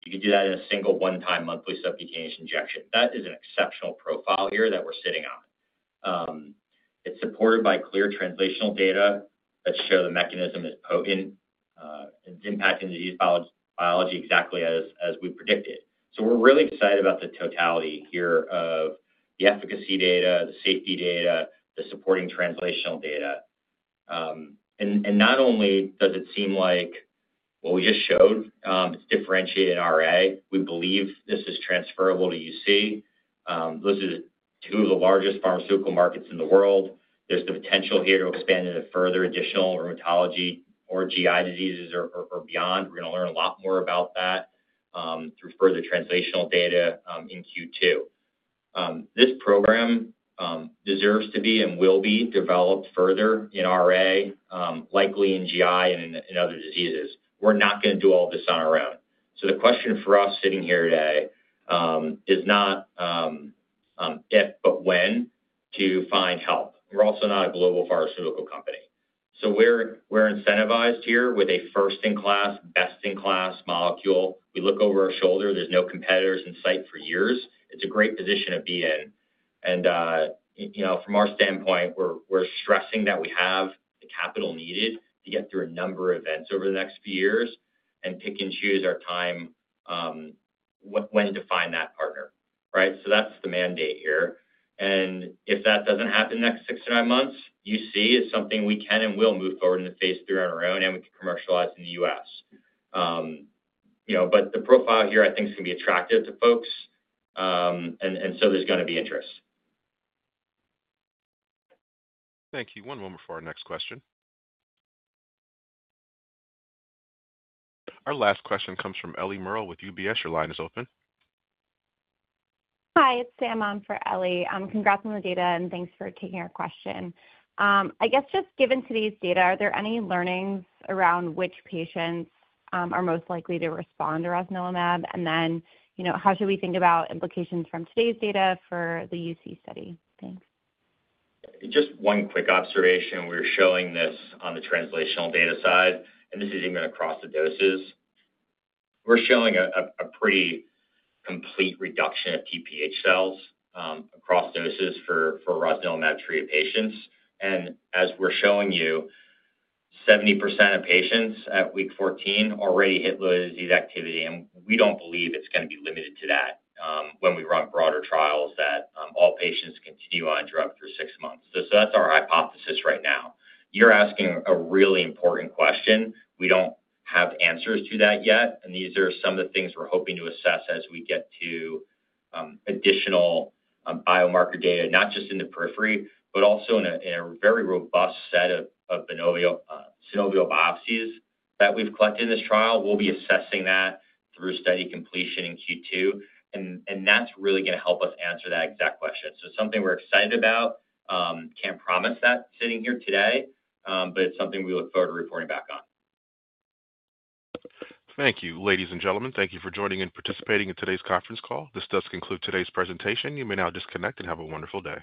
you can do that in a single one-time monthly subcutaneous injection. That is an exceptional profile here that we're sitting on. It's supported by clear translational data that show the mechanism is potent and impacting disease biology exactly as we predicted. So we're really excited about the totality here of the efficacy data, the safety data, the supporting translational data. And not only does it seem like what we just showed, it's differentiated in RA, we believe this is transferable to UC. Those are two of the largest pharmaceutical markets in the world. There's the potential here to expand into further additional rheumatology or GI diseases or beyond. We're going to learn a lot more about that through further translational data in Q2. This program deserves to be and will be developed further in RA, likely in GI and in other diseases. We're not going to do all this on our own. So the question for us sitting here today is not if, but when to find help. We're also not a global pharmaceutical company. So we're incentivized here with a first-in-class, best-in-class molecule. We look over our shoulder. There's no competitors in sight for years. It's a great position to be in. And from our standpoint, we're stressing that we have the capital needed to get through a number of events over the next few years and pick and choose our time when to find that partner, right? So that's the mandate here. And if that doesn't happen in the next six to nine months, UC is something we can and will move forward into phase III on our own, and we can commercialize in the U.S. But the profile here, I think, is going to be attractive to folks. And so there's going to be interest. Thank you. One moment for our next question. Our last question comes from Ellie Merle with UBS. Your line is open. Hi. It's Saman for Ellie. Congrats on the data, and thanks for taking our question. I guess just given today's data, are there any learnings around which patients are most likely to respond to rosnilimab? And then how should we think about implications from today's data for the UC study? Thanks. Just one quick observation. We're showing this on the translational data side. And this is even across the doses. We're showing a pretty complete reduction of TPH cells across doses for rosnilimab-treated patients. And as we're showing you, 70% of patients at week 14 already hit low disease activity. And we don't believe it's going to be limited to that when we run broader trials that all patients continue on drug for six months. So that's our hypothesis right now. You're asking a really important question. We don't have answers to that yet. And these are some of the things we're hoping to assess as we get to additional biomarker data, not just in the periphery, but also in a very robust set of synovial biopsies that we've collected in this trial. We'll be assessing that through study completion in Q2. And that's really going to help us answer that exact question. So it's something we're excited about. Can't promise that sitting here today, but it's something we look forward to reporting back on. Thank you, ladies and gentlemen. Thank you for joining and participating in today's conference call. This does conclude today's presentation. You may now disconnect and have a wonderful day.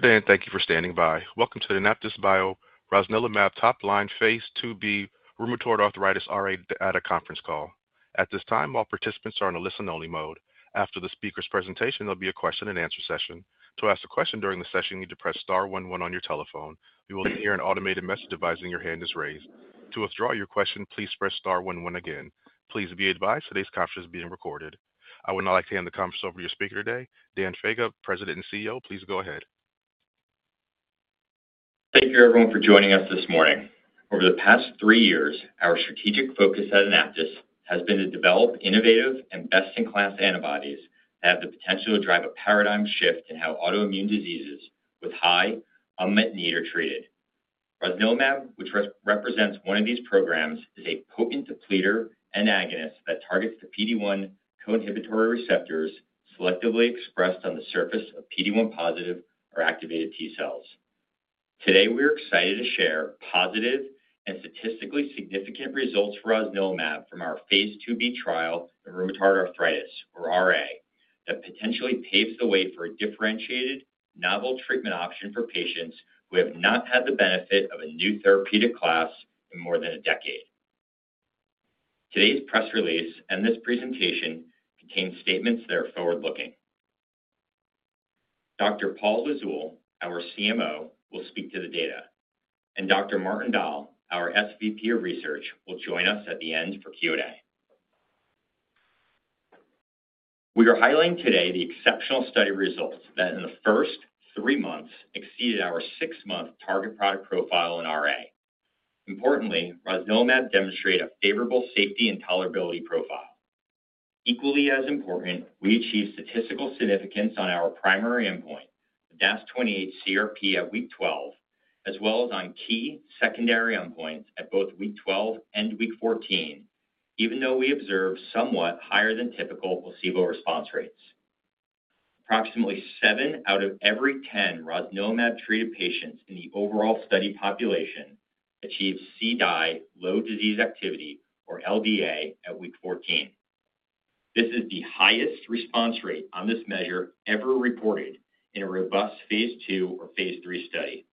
Good day, and thank you for standing by. Welcome to the AnaptysBio rosnilimab top-line phase II-B rheumatoid arthritis RA data conference call. At this time, all participants are in a listen-only mode. After the speaker's presentation, there'll be a question-and-answer session. To ask a question during the session, you need to press star one one on your telephone. You will hear an automated message advising your hand is raised. To withdraw your question, please press star one one again. Please be advised today's conference is being recorded. I would now like to hand the conference over to your speaker today, Dan Faga, President and CEO. Please go ahead. Thank you, everyone, for joining us this morning. Over the past three years, our strategic focus at AnaptysBio has been to develop innovative and best-in-class antibodies that have the potential to drive a paradigm shift in how autoimmune diseases with high unmet need are treated. Rosnilimab, which represents one of these programs, is a potent depleter and agonist that targets the PD-1 co-inhibitory receptors selectively expressed on the surface of PD-1 positive or activated T cells. Today, we are excited to share positive and statistically significant results for rosnilimab from our phase II-B trial in rheumatoid arthritis, or RA, that potentially paves the way for a differentiated novel treatment option for patients who have not had the benefit of a new therapeutic class in more than a decade. Today's press release and this presentation contain statements that are forward-looking. Dr. Paul Lizzul, our CMO, will speak to the data. And Dr. Martin Dahl, our SVP of Research, will join us at the end for Q&A. We are highlighting today the exceptional study results that, in the first three months, exceeded our six-month target product profile in RA. Importantly, rosnilimab demonstrated a favorable safety and tolerability profile. Equally as important, we achieved statistical significance on our primary endpoint, the DAS28-CRP at week 12, as well as on key secondary endpoints at both week 12 and week 14, even though we observed somewhat higher-than-typical placebo response rates. Approximately seven out of every 10 rosnilimab-treated patients in the overall study population achieved CDAI, low disease activity, or LDA at week 14. This is the highest response rate on this measure ever reported in a robust phase II or phase III study.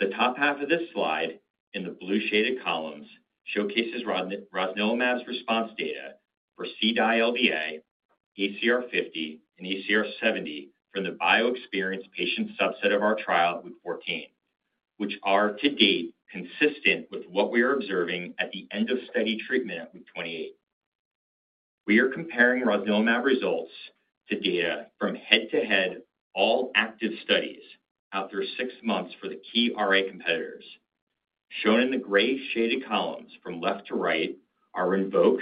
The top half of this slide in the blue shaded columns showcases rosnilimab's response data for CDAI LDA, ACR 50, and ACR 70 from the bio-experienced patient subset of our trial at week 14, which are, to date, consistent with what we are observing at the end-of-study treatment at week 28. We are comparing rosnilimab results to data from head-to-head all active studies after six months for the key RA competitors. Shown in the gray shaded columns from left to right are Rinvoq,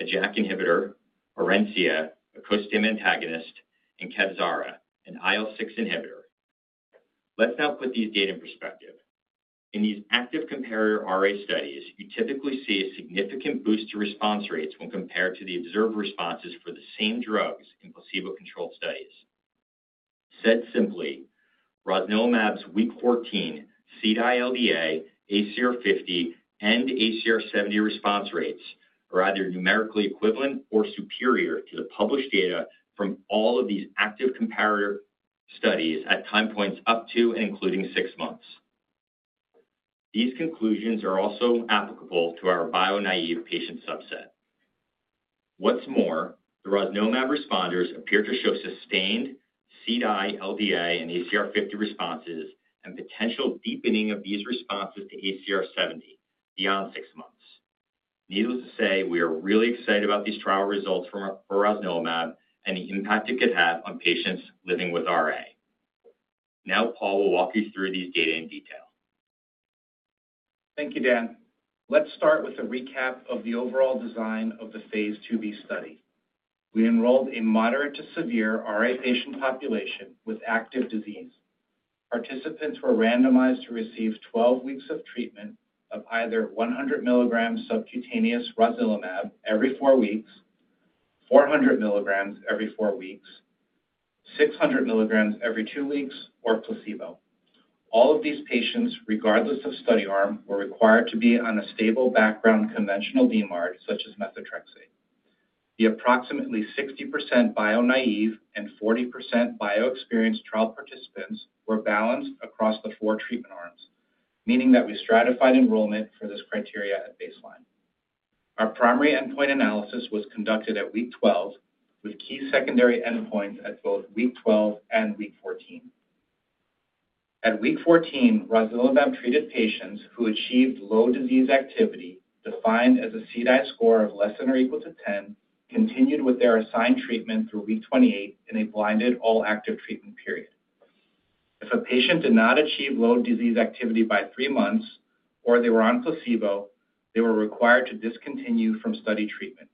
a JAK inhibitor, Orencia, a costimulation antagonist, and Kevzara, an IL-6 inhibitor. Let's now put these data in perspective. In these active comparator RA studies, you typically see a significant boost to response rates when compared to the observed responses for the same drugs in placebo-controlled studies. Said simply, rosnilimab's week 14 CDAI LDA, ACR 50, and ACR 70 response rates are either numerically equivalent or superior to the published data from all of these active comparator studies at time points up to and including six months. These conclusions are also applicable to our bio-naïve Thank you, Dan. Let's start with a recap of the overall design of the phase II-B study. We enrolled a moderate to severe RA patient population with active disease. Participants were randomized to receive 12 weeks of treatment of either 100 mg subcutaneous rosnilimab every four weeks, 400 mg every four weeks, 600 mg every two weeks, or placebo. All of these patients, regardless of study arm, were required to be on a stable background conventional DMARD, such as methotrexate. The approximately 60% bio-naïve and 40% bio-experienced trial participants were balanced across the four treatment arms, meaning that we stratified enrollment for this criteria at baseline. Our primary endpoint analysis was conducted at week 12, with key secondary endpoints at both week 12 and week 14. At week 14, rosnilimab-treated patients who achieved low disease activity defined as a CDAI score of less than or equal to 10 continued with their assigned treatment through week 28 in a blinded all-active treatment period. If a patient did not achieve low disease activity by three months or they were on placebo, they were required to discontinue from study treatment.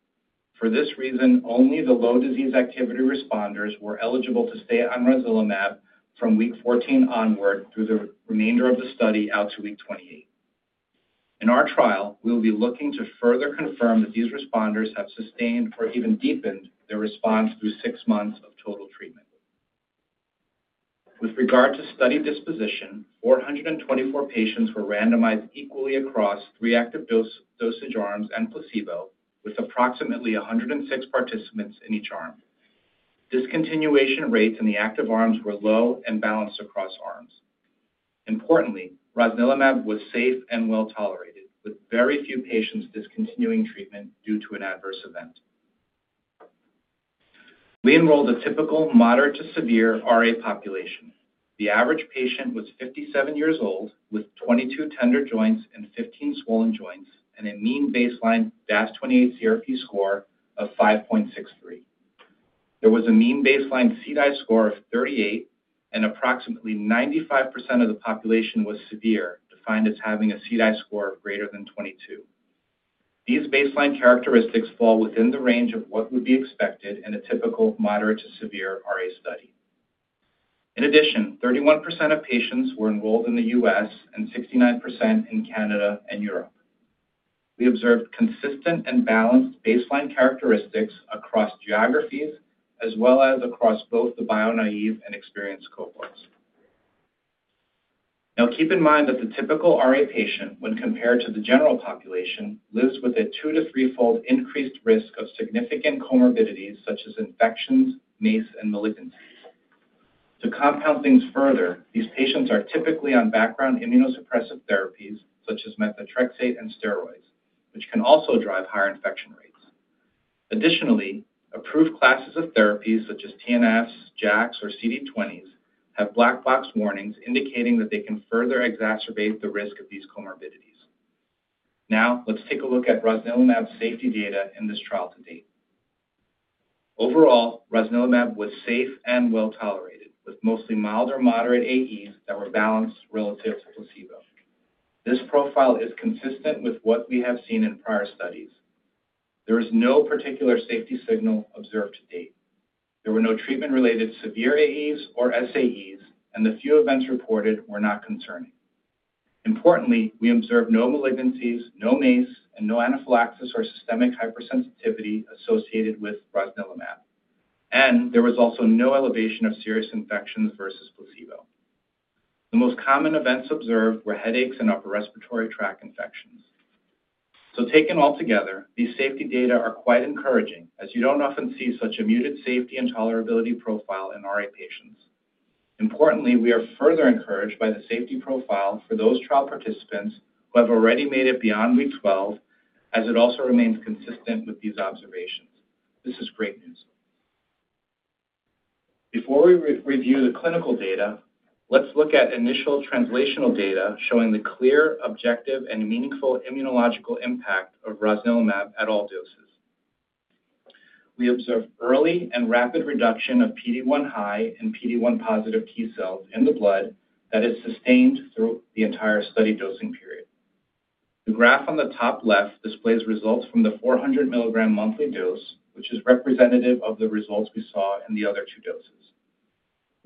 For this reason, only the low disease activity responders were eligible to stay on rosnilimab from week 14 onward through the remainder of the study out to week 28. In our trial, we will be looking to further confirm that these responders have sustained or even deepened their response through six months of total treatment. With regard to study disposition, 424 patients were randomized equally across three active dosage arms and placebo, with approximately 106 participants in each arm. Discontinuation rates in the active arms were low and balanced across arms. Importantly, rosnilimab was safe and well tolerated, with very few patients discontinuing treatment due to an adverse event. We enrolled a typical moderate to severe RA population. The average patient was 57 years old, with 22 tender joints and 15 swollen joints and a mean baseline DAS28-CRP score of 5.63. There was a mean baseline CDAI score of 38, and approximately 95% of the population was severe, defined as having a CDAI score of greater than 22. These baseline characteristics fall within the range of what would be expected in a typical moderate to severe RA study. In addition, 31% of patients were enrolled in the US and 69% in Canada and Europe. We observed consistent and balanced baseline characteristics across geographies, as well as across both the bio-naïve and bio-experienced cohorts. Now, keep in mind that the typical RA patient, when compared to the general population, lives with a two- to three-fold increased risk of significant comorbidities, such as infections, MACE, and malignancies. To compound things further, these patients are typically on background immunosuppressive therapies, such as methotrexate and steroids, which can also drive higher infection rates. Additionally, approved classes of therapies, such as TNFs, JAKs, or CD20s, have black box warnings indicating that they can further exacerbate the risk of these comorbidities. Now, let's take a look at rosnilimab safety data in this trial to date. Overall, rosnilimab was safe and well tolerated, with mostly mild or moderate AEs that were balanced relative to placebo. This profile is consistent with what we have seen in prior studies. There is no particular safety signal observed to date. There were no treatment-related severe AEs or SAEs, and the few events reported were not concerning. Importantly, we observed no malignancies, no MACE, and no anaphylaxis or systemic hypersensitivity associated with rosnilimab, and there was also no elevation of serious infections versus placebo. The most common events observed were headaches and upper respiratory tract infections. So, taken all together, these safety data are quite encouraging, as you don't often see such a muted safety and tolerability profile in RA patients. Importantly, we are further encouraged by the safety profile for those trial participants who have already made it beyond week 12, as it also remains consistent with these observations. This is great news. Before we review the clinical data, let's look at initial translational data showing the clear, objective, and meaningful immunological impact of rosnilimab at all doses. We observed early and rapid reduction of PD-1 high and PD-1 positive T cells in the blood that is sustained through the entire study dosing period. The graph on the top left displays results from the 400 mg monthly dose, which is representative of the results we saw in the other two doses.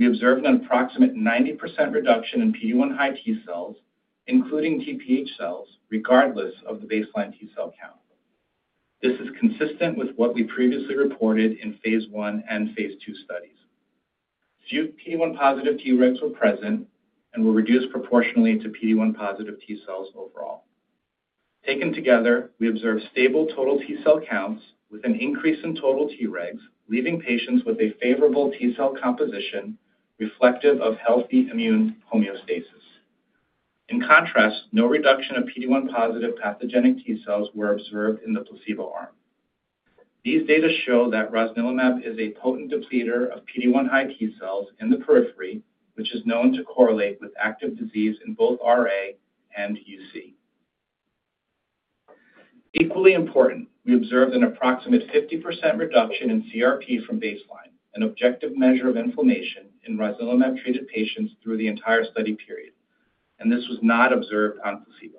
We observed an approximate 90% reduction in PD-1 high T cells, including TPH cells, regardless of the baseline T cell count. This is consistent with what we previously reported in phase I and phase II studies. Few PD-1 positive Tregs were present and were reduced proportionally to PD-1 positive T cells overall. Taken together, we observed stable total T cell counts with an increase in total Tregs, leaving patients with a favorable T cell composition reflective of healthy immune homeostasis. In contrast, no reduction of PD-1 positive pathogenic T cells were observed in the placebo arm. These data show that rosnilimab is a potent depleter of PD-1 high T cells in the periphery, which is known to correlate with active disease in both RA and UC. Equally important, we observed an approximate 50% reduction in CRP from baseline, an objective measure of inflammation in rosnilimab-treated patients through the entire study period, and this was not observed on placebo.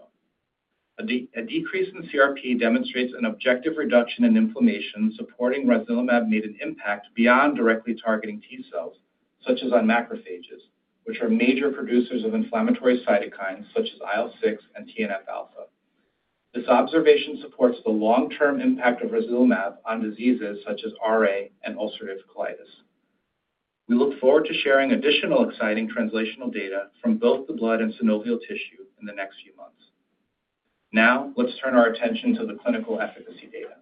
A decrease in CRP demonstrates an objective reduction in inflammation supporting rosnilimab made an impact beyond directly targeting T cells, such as on macrophages, which are major producers of inflammatory cytokines such as IL-6 and TNF alpha. This observation supports the long-term impact of rosnilimab on diseases such as RA and ulcerative colitis. We look forward to sharing additional exciting translational data from both the blood and synovial tissue in the next few months. Now, let's turn our attention to the clinical efficacy data.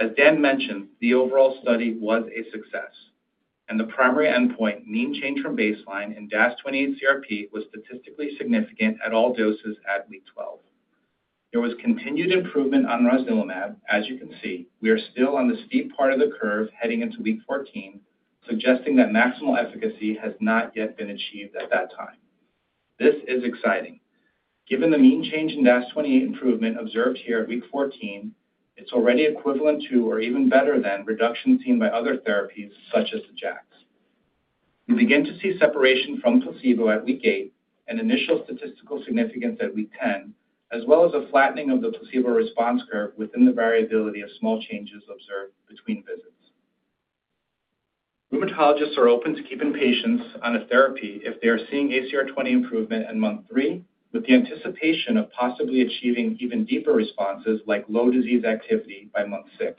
As Dan mentioned, the overall study was a success, and the primary endpoint, mean change from baseline in DAS28-CRP, was statistically significant at all doses at week 12. There was continued improvement on rosnilimab. As you can see, we are still on the steep part of the curve heading into week 14, suggesting that maximal efficacy has not yet been achieved at that time. This is exciting. Given the mean change in DAS28 improvement observed here at week 14, it's already equivalent to or even better than reductions seen by other therapies, such as the JAKs. We begin to see separation from placebo at week eight, an initial statistical significance at week 10, as well as a flattening of the placebo response curve within the variability of small changes observed between visits. Rheumatologists are open to keeping patients on a therapy if they are seeing ACR 20 improvement in month three, with the anticipation of possibly achieving even deeper responses like low disease activity by month six.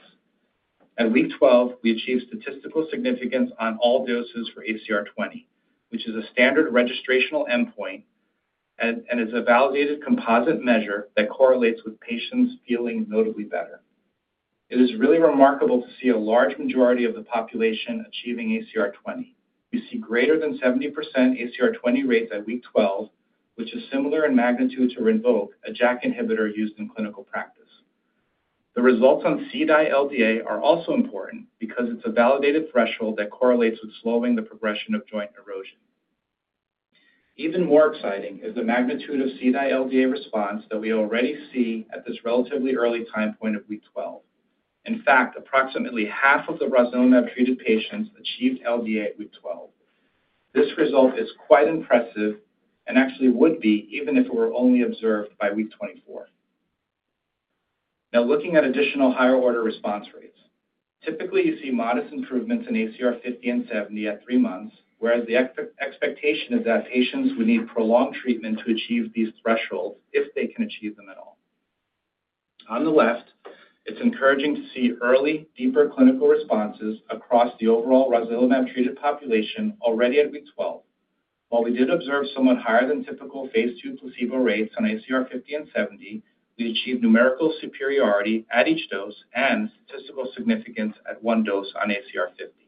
At week 12, we achieve statistical significance on all doses for ACR 20, which is a standard registrational endpoint and is a validated composite measure that correlates with patients feeling notably better. It is really remarkable to see a large majority of the population achieving ACR 20. We see greater than 70% ACR 20 rates at week 12, which is similar in magnitude to Rinvoq, a JAK inhibitor used in clinical practice. The results on CDAI LDA are also important because it's a validated threshold that correlates with slowing the progression of joint erosion. Even more exciting is the magnitude of CDAI LDA response that we already see at this relatively early time point of week 12. In fact, approximately half of the rosnilimab-treated patients achieved LDA at week 12. This result is quite impressive and actually would be even if it were only observed by week 24. Now, looking at additional higher order response rates, typically you see modest improvements in ACR 50 and ACR 70 at three months, whereas the expectation is that patients would need prolonged treatment to achieve these thresholds if they can achieve them at all. On the left, it's encouraging to see early, deeper clinical responses across the overall rosnilimab-treated population already at week 12. While we did observe somewhat higher than typical phase II placebo rates on ACR 50 and ACR 70, we achieved numerical superiority at each dose and statistical significance at one dose on ACR 50.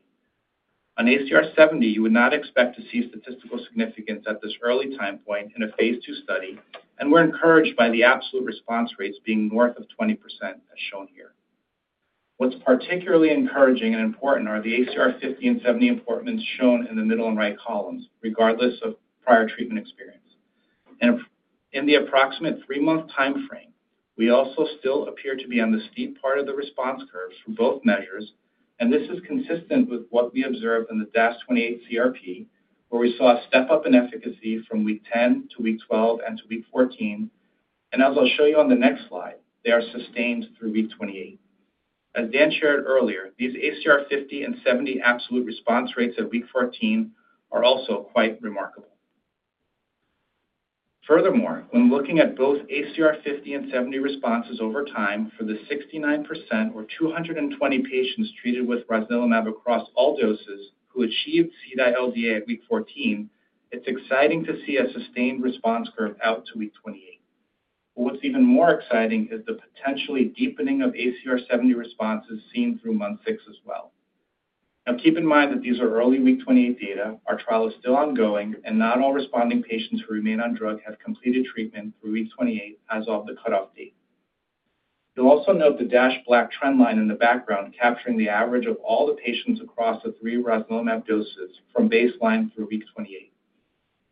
On ACR 70, you would not expect to see statistical significance at this early time point in a phase II study, and we're encouraged by the absolute response rates being north of 20%, as shown here. What's particularly encouraging and important are the ACR 50 and 70 improvements shown in the middle and right columns, regardless of prior treatment experience. In the approximate three-month time frame, we also still appear to be on the steep part of the response curve for both measures, and this is consistent with what we observed in the DAS28-CRP, where we saw a step up in efficacy from week 10 to week 12 and to week 14, and as I'll show you on the next slide, they are sustained through week 28. As Dan shared earlier, these ACR 50 and ACR 70 absolute response rates at week 14 are also quite remarkable. Furthermore, when looking at both ACR 50 and ACR 70 responses over time for the 69% or 220 patients treated with rosnilimab across all doses who achieved CDAI LDA at week 14, it's exciting to see a sustained response curve out to week 28. What's even more exciting is the potentially deepening of ACR 70 responses seen through month six as well. Now, keep in mind that these are early week 28 data. Our trial is still ongoing, and not all responding patients who remain on drug have completed treatment through week 28 as of the cutoff date. You'll also note the dashed black trend line in the background capturing the average of all the patients across the three rosnilimab doses from baseline through week 28.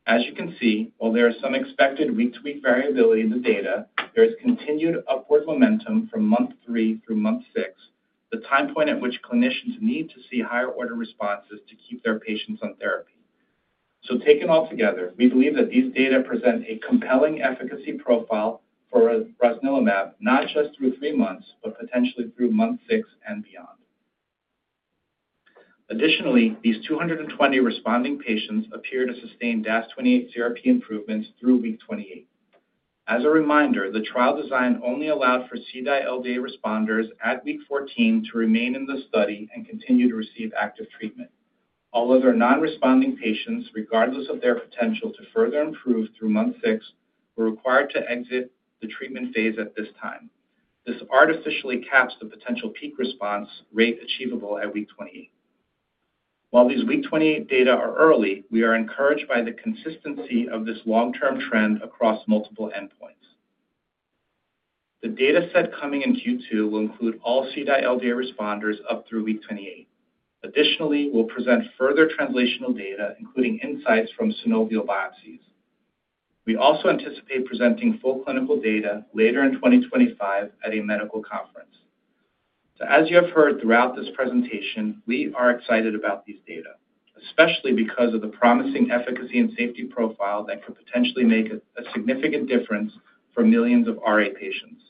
As you can see, while there is some expected week-to-week variability in the data, there is continued upward momentum from month three through month six, the time point at which clinicians need to see higher order responses to keep their patients on therapy. So, taken all together, we believe that these data present a compelling efficacy profile for rosnilimab, not just through three months, but potentially through month six and beyond. Additionally, these 220 responding patients appear to sustain DAS28-CRP improvements through week 28. As a reminder, the trial design only allowed for CDAI LDA responders at week 14 to remain in the study and continue to receive active treatment. All other non-responding patients, regardless of their potential to further improve through month six, were required to exit the treatment phase at this time. This artificially caps the potential peak response rate achievable at week 28. While these week 28 data are early, we are encouraged by the consistency of this long-term trend across multiple endpoints. The dataset coming in Q2 will include all CDAI LDA responders up through week 28. Additionally, we'll present further translational data, including insights from synovial biopsies. We also anticipate presenting full clinical data later in 2025 at a medical conference, so as you have heard throughout this presentation, we are excited about these data, especially because of the promising efficacy and safety profile that could potentially make a significant difference for millions of RA patients.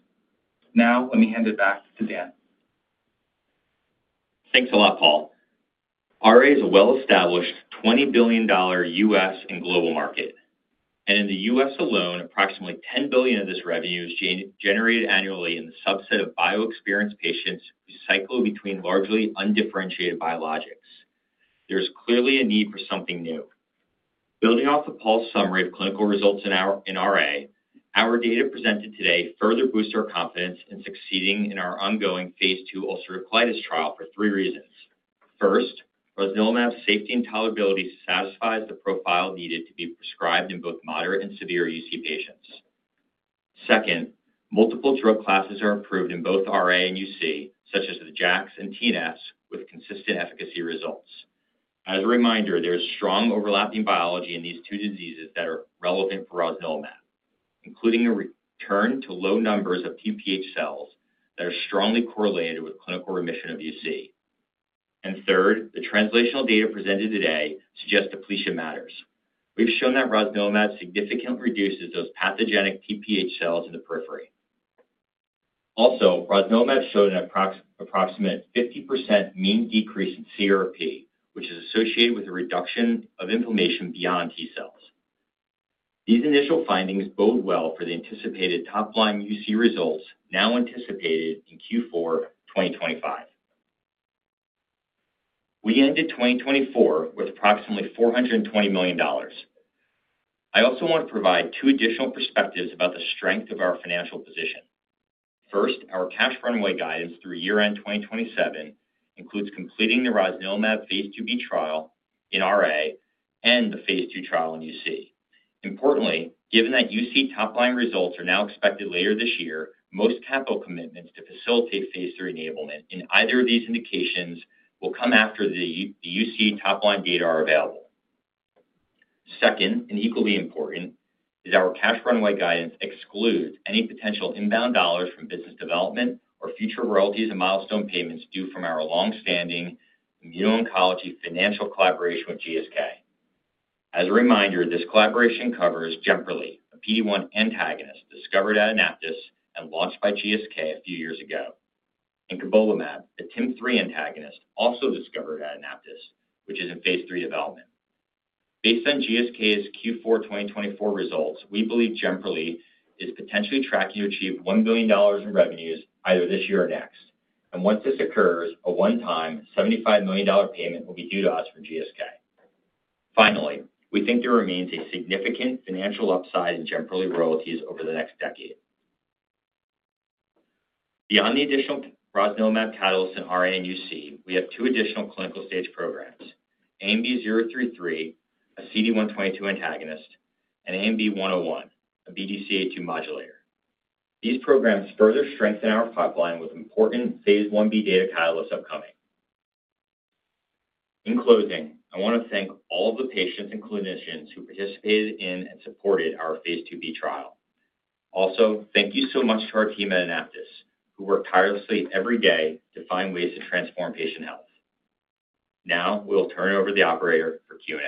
Now, let me hand it back to Dan. Thanks a lot, Paul. RA is a well-established $20 billion U.S. and global market, and in the U.S. alone, approximately $10 billion of this revenue is generated annually in the subset of bio-experienced patients who cycle between largely undifferentiated biologics. There is clearly a need for something new. Building off Paul's summary of clinical results in RA, our data presented today further boosts our confidence in succeeding in our ongoing phase II ulcerative colitis trial for three reasons. First, rosnilimab's safety and tolerability satisfies the profile needed to be prescribed in both moderate and severe UC patients. Second, multiple drug classes are approved in both RA and UC, such as the JAKs and TNFs, with consistent efficacy results. As a reminder, there is strong overlapping biology in these two diseases that are relevant for rosnilimab, including a return to low numbers of TPH cells that are strongly correlated with clinical remission of UC. And third, the translational data presented today suggests depletion matters. We've shown that rosnilimab significantly reduces those pathogenic TPH cells in the periphery. Also, rosnilimab showed an approximate 50% mean decrease in CRP, which is associated with a reduction of inflammation beyond T cells. These initial findings bode well for the anticipated top-line UC results now anticipated in Q4 2025. We ended 2024 with approximately $420 million. I also want to provide two additional perspectives about the strength of our financial position. First, our cash runway guidance through year-end 2027 includes completing the rosnilimab phase II-B trial in RA and the phase II trial in UC. Importantly, given that UC top-line results are now expected later this year, most capital commitments to facilitate phase III enablement in either of these indications will come after the UC top-line data are available. Second, and equally important, is our cash runway guidance excludes any potential inbound dollars from business development or future royalties and milestone payments due from our long-standing immuno-oncology financial collaboration with GSK. As a reminder, this collaboration covers Jemperli, a PD-1 antagonist discovered at AnaptysBio and launched by GSK a few years ago, and cobolimab, a TIM-3 antagonist also discovered at AnaptysBio, which is in phase III development. Based on GSK's Q4 2024 results, we believe Jemperli is potentially tracking to achieve $1 billion in revenues either this year or next, and once this occurs, a one-time $75 million payment will be due to us from GSK. Finally, we think there remains a significant financial upside in Jemperli royalties over the next decade. Beyond the additional rosnilimab catalysts in RA and UC, we have two additional clinical stage programs: ANB033, a CD122 antagonist, and ANB101, a BDCA2 modulator. These programs further strengthen our pipeline with important phase I-B data catalysts upcoming. In closing, I want to thank all of the patients and clinicians who participated in and supported our phase II-B trial. Also, thank you so much to our team at AnaptysBio, who work tirelessly every day to find ways to transform patient health. Now, we'll turn it over to the operator for Q&A.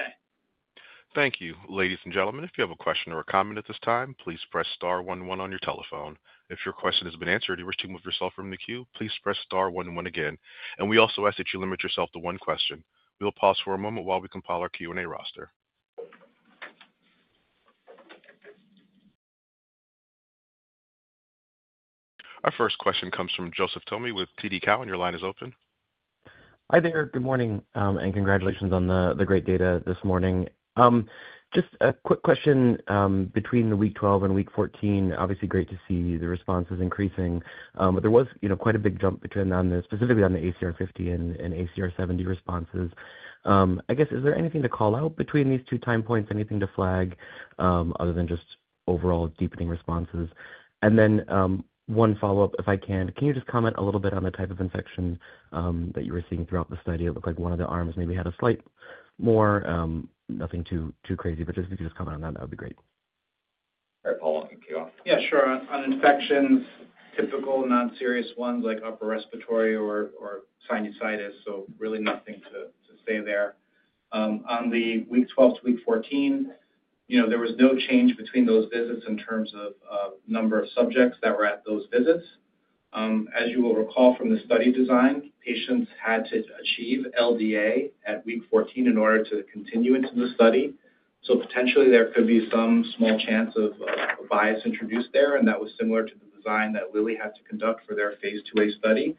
Thank you. Ladies and gentlemen, if you have a question or a comment at this time, please press star one one on your telephone. If your question has been answered and you wish to move yourself from the queue, please press star one one again. And we also ask that you limit yourself to one question. We'll pause for a moment while we compile our Q&A roster. Our first question comes from Joseph Thome with TD Cowen. Your line is open. Hi there. Good morning and congratulations on the great data this morning. Just a quick question between week 12 and week 14. Obviously, great to see the responses increasing, but there was quite a big jump between specifically on the ACR 50 and ACR 70 responses. I guess, is there anything to call out between these two time points? Anything to flag other than just overall deepening responses?, and then one follow-up, if I can, can you just comment a little bit on the type of infection that you were seeing throughout the study? It looked like one of the arms maybe had a slight more. Nothing too crazy, but if you could just comment on that, that would be great. All right, Paul. You can go off. Yeah, sure. On infections, typical non-serious ones like upper respiratory or sinusitis, so really nothing to say there. On the week 12 to week 14, there was no change between those visits in terms of number of subjects that were at those visits. As you will recall from the study design, patients had to achieve LDA at week 14 in order to continue into the study. So potentially, there could be some small chance of bias introduced there, and that was similar to the design that Lilly had to conduct for their phase II-A study.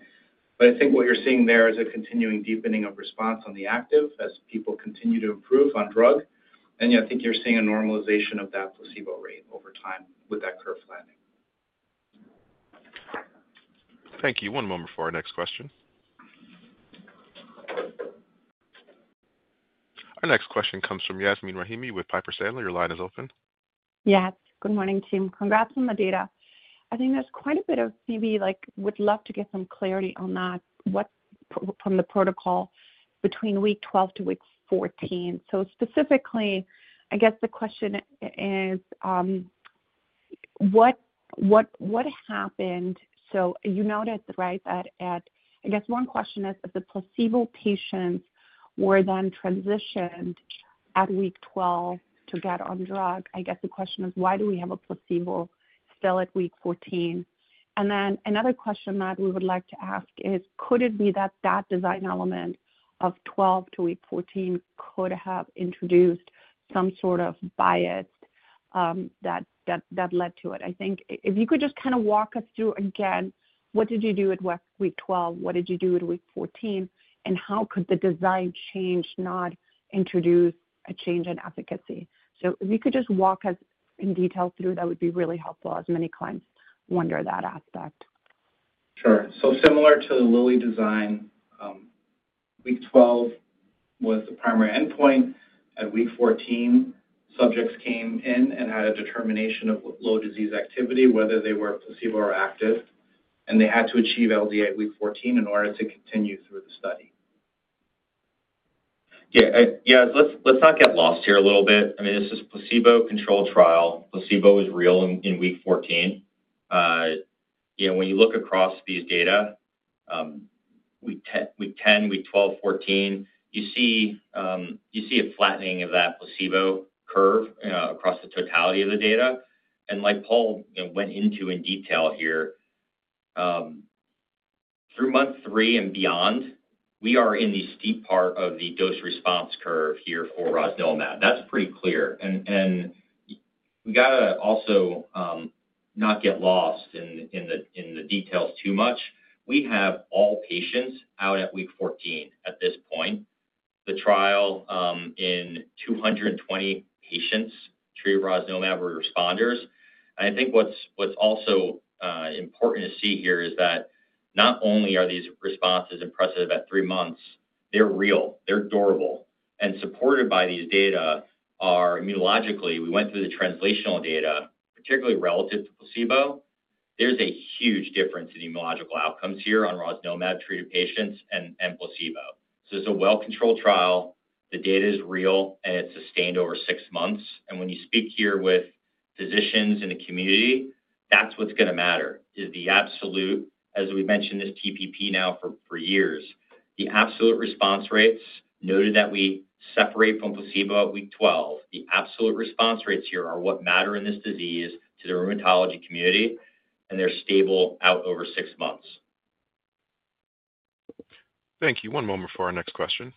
But I think what you're seeing there is a continuing deepening of response on the active as people continue to improve on drug. And I think you're seeing a normalization of that placebo rate over time with that curve flattening. Thank you. One moment for our next question. Our next question comes from Yasmeen Rahimi with Piper Sandler. Your line is open. Yes. Good morning, team. Congrats on the data. I think there's quite a bit of maybe would love to get some clarity on that from the protocol between week 12 to week 14. So specifically, I guess the question is, what happened? So you noticed, right, that I guess one question is, if the placebo patients were then transitioned at week 12 to get on drug, I guess the question is, why do we have a placebo still at week 14? And then another question that we would like to ask is, could it be that that design element of 12 to week 14 could have introduced some sort of bias that led to it? I think if you could just kind of walk us through again, what did you do at week 12? What did you do at week 14? And how could the design change not introduce a change in efficacy? So if you could just walk us in detail through, that would be really helpful as many clients wonder that aspect. Sure. So similar to the Lilly design, week 12 was the primary endpoint. At week 14, subjects came in and had a determination of low disease activity, whether they were placebo or active. And they had to achieve LDA at week 14 in order to continue through the study. Yeah. Yeah. Let's not get lost here a little bit. I mean, this is a placebo-controlled trial. Placebo is real in week 14. When you look across these data, week 10, week 12, week 14, you see a flattening of that placebo curve across the totality of the data. And like Paul went into in detail here, through month three and beyond, we are in the steep part of the dose-response curve here for rosnilimab. That's pretty clear. We got to also not get lost in the details too much. We have all patients out at week 14 at this point. The trial in 220 patients treated with rosnilimab were responders. I think what's also important to see here is that not only are these responses impressive at three months, they're real. They're durable. Supported by these data are immunologically, we went through the translational data, particularly relative to placebo. There's a huge difference in immunological outcomes here on rosnilimab-treated patients and placebo. So it's a well-controlled trial. The data is real, and it's sustained over six months. When you speak here with physicians in the community, that's what's going to matter is the absolute, as we've mentioned this TPP now for years, the absolute response rates noted that we separate from placebo at week 12. The absolute response rates here are what matter in this disease to the rheumatology community, and they're stable out over six months. Thank you. One moment for our next question.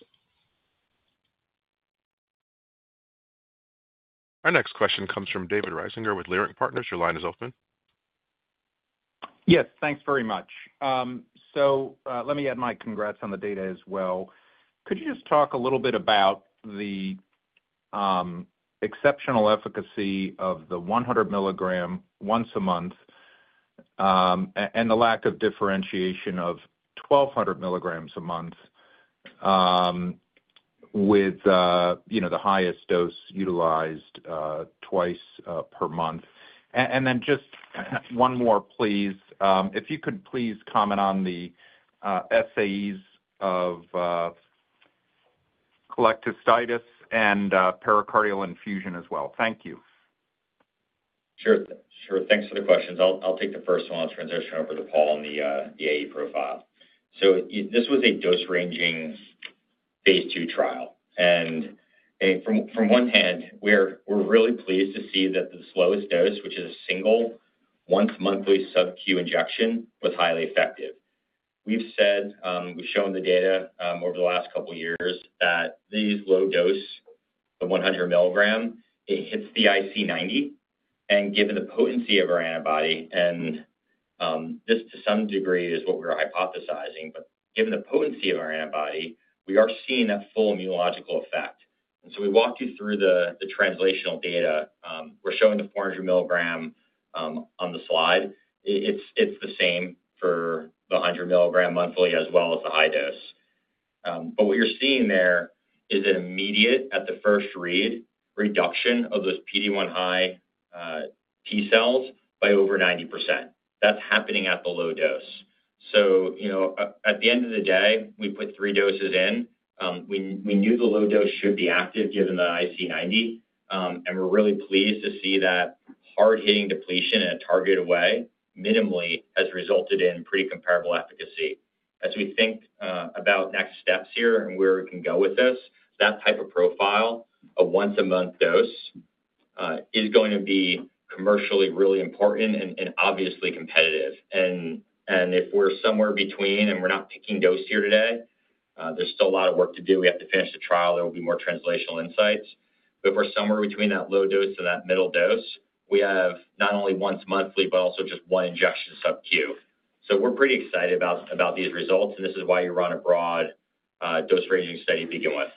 Our next question comes from David Risinger with Leerink Partners. Your line is open. Yes. Thanks very much. So let me add my congrats on the data as well. Could you just talk a little bit about the exceptional efficacy of the 100 mg once a month and the lack of differentiation of 1,200 mg a month with the highest dose utilized twice per month? And then just one more, please. If you could please comment on the SAEs of cholecystitis and pericardial effusion as well. Thank you. Sure. Sure. Thanks for the questions. I'll take the first one and I'll transition over to Paul on the AE profile. So this was a dose-ranging phase II trial. On one hand, we're really pleased to see that the lowest dose, which is a single once-monthly sub-Q injection, was highly effective. We've shown the data over the last couple of years that these low doses, the 100 mg, it hits the IC90. And given the potency of our antibody, and this to some degree is what we're hypothesizing, but given the potency of our antibody, we are seeing that full immunological effect. And so we walked you through the translational data. We're showing the 400 mg on the slide. It's the same for the 100 mg monthly as well as the high dose. But what you're seeing there is an immediate, at the first read, reduction of those PD-1 high T cells by over 90%. That's happening at the low dose. So at the end of the day, we put three doses in. We knew the low dose should be active given the IC90, and we're really pleased to see that hard-hitting depletion in a targeted way minimally has resulted in pretty comparable efficacy. As we think about next steps here and where we can go with this, that type of profile of once-a-month dose is going to be commercially really important and obviously competitive, and if we're somewhere between and we're not picking dose here today, there's still a lot of work to do. We have to finish the trial. There will be more translational insights, but if we're somewhere between that low dose and that middle dose, we have not only once monthly, but also just one injection sub-Q, so we're pretty excited about these results, and this is why you run a broad dose-ranging study to begin with.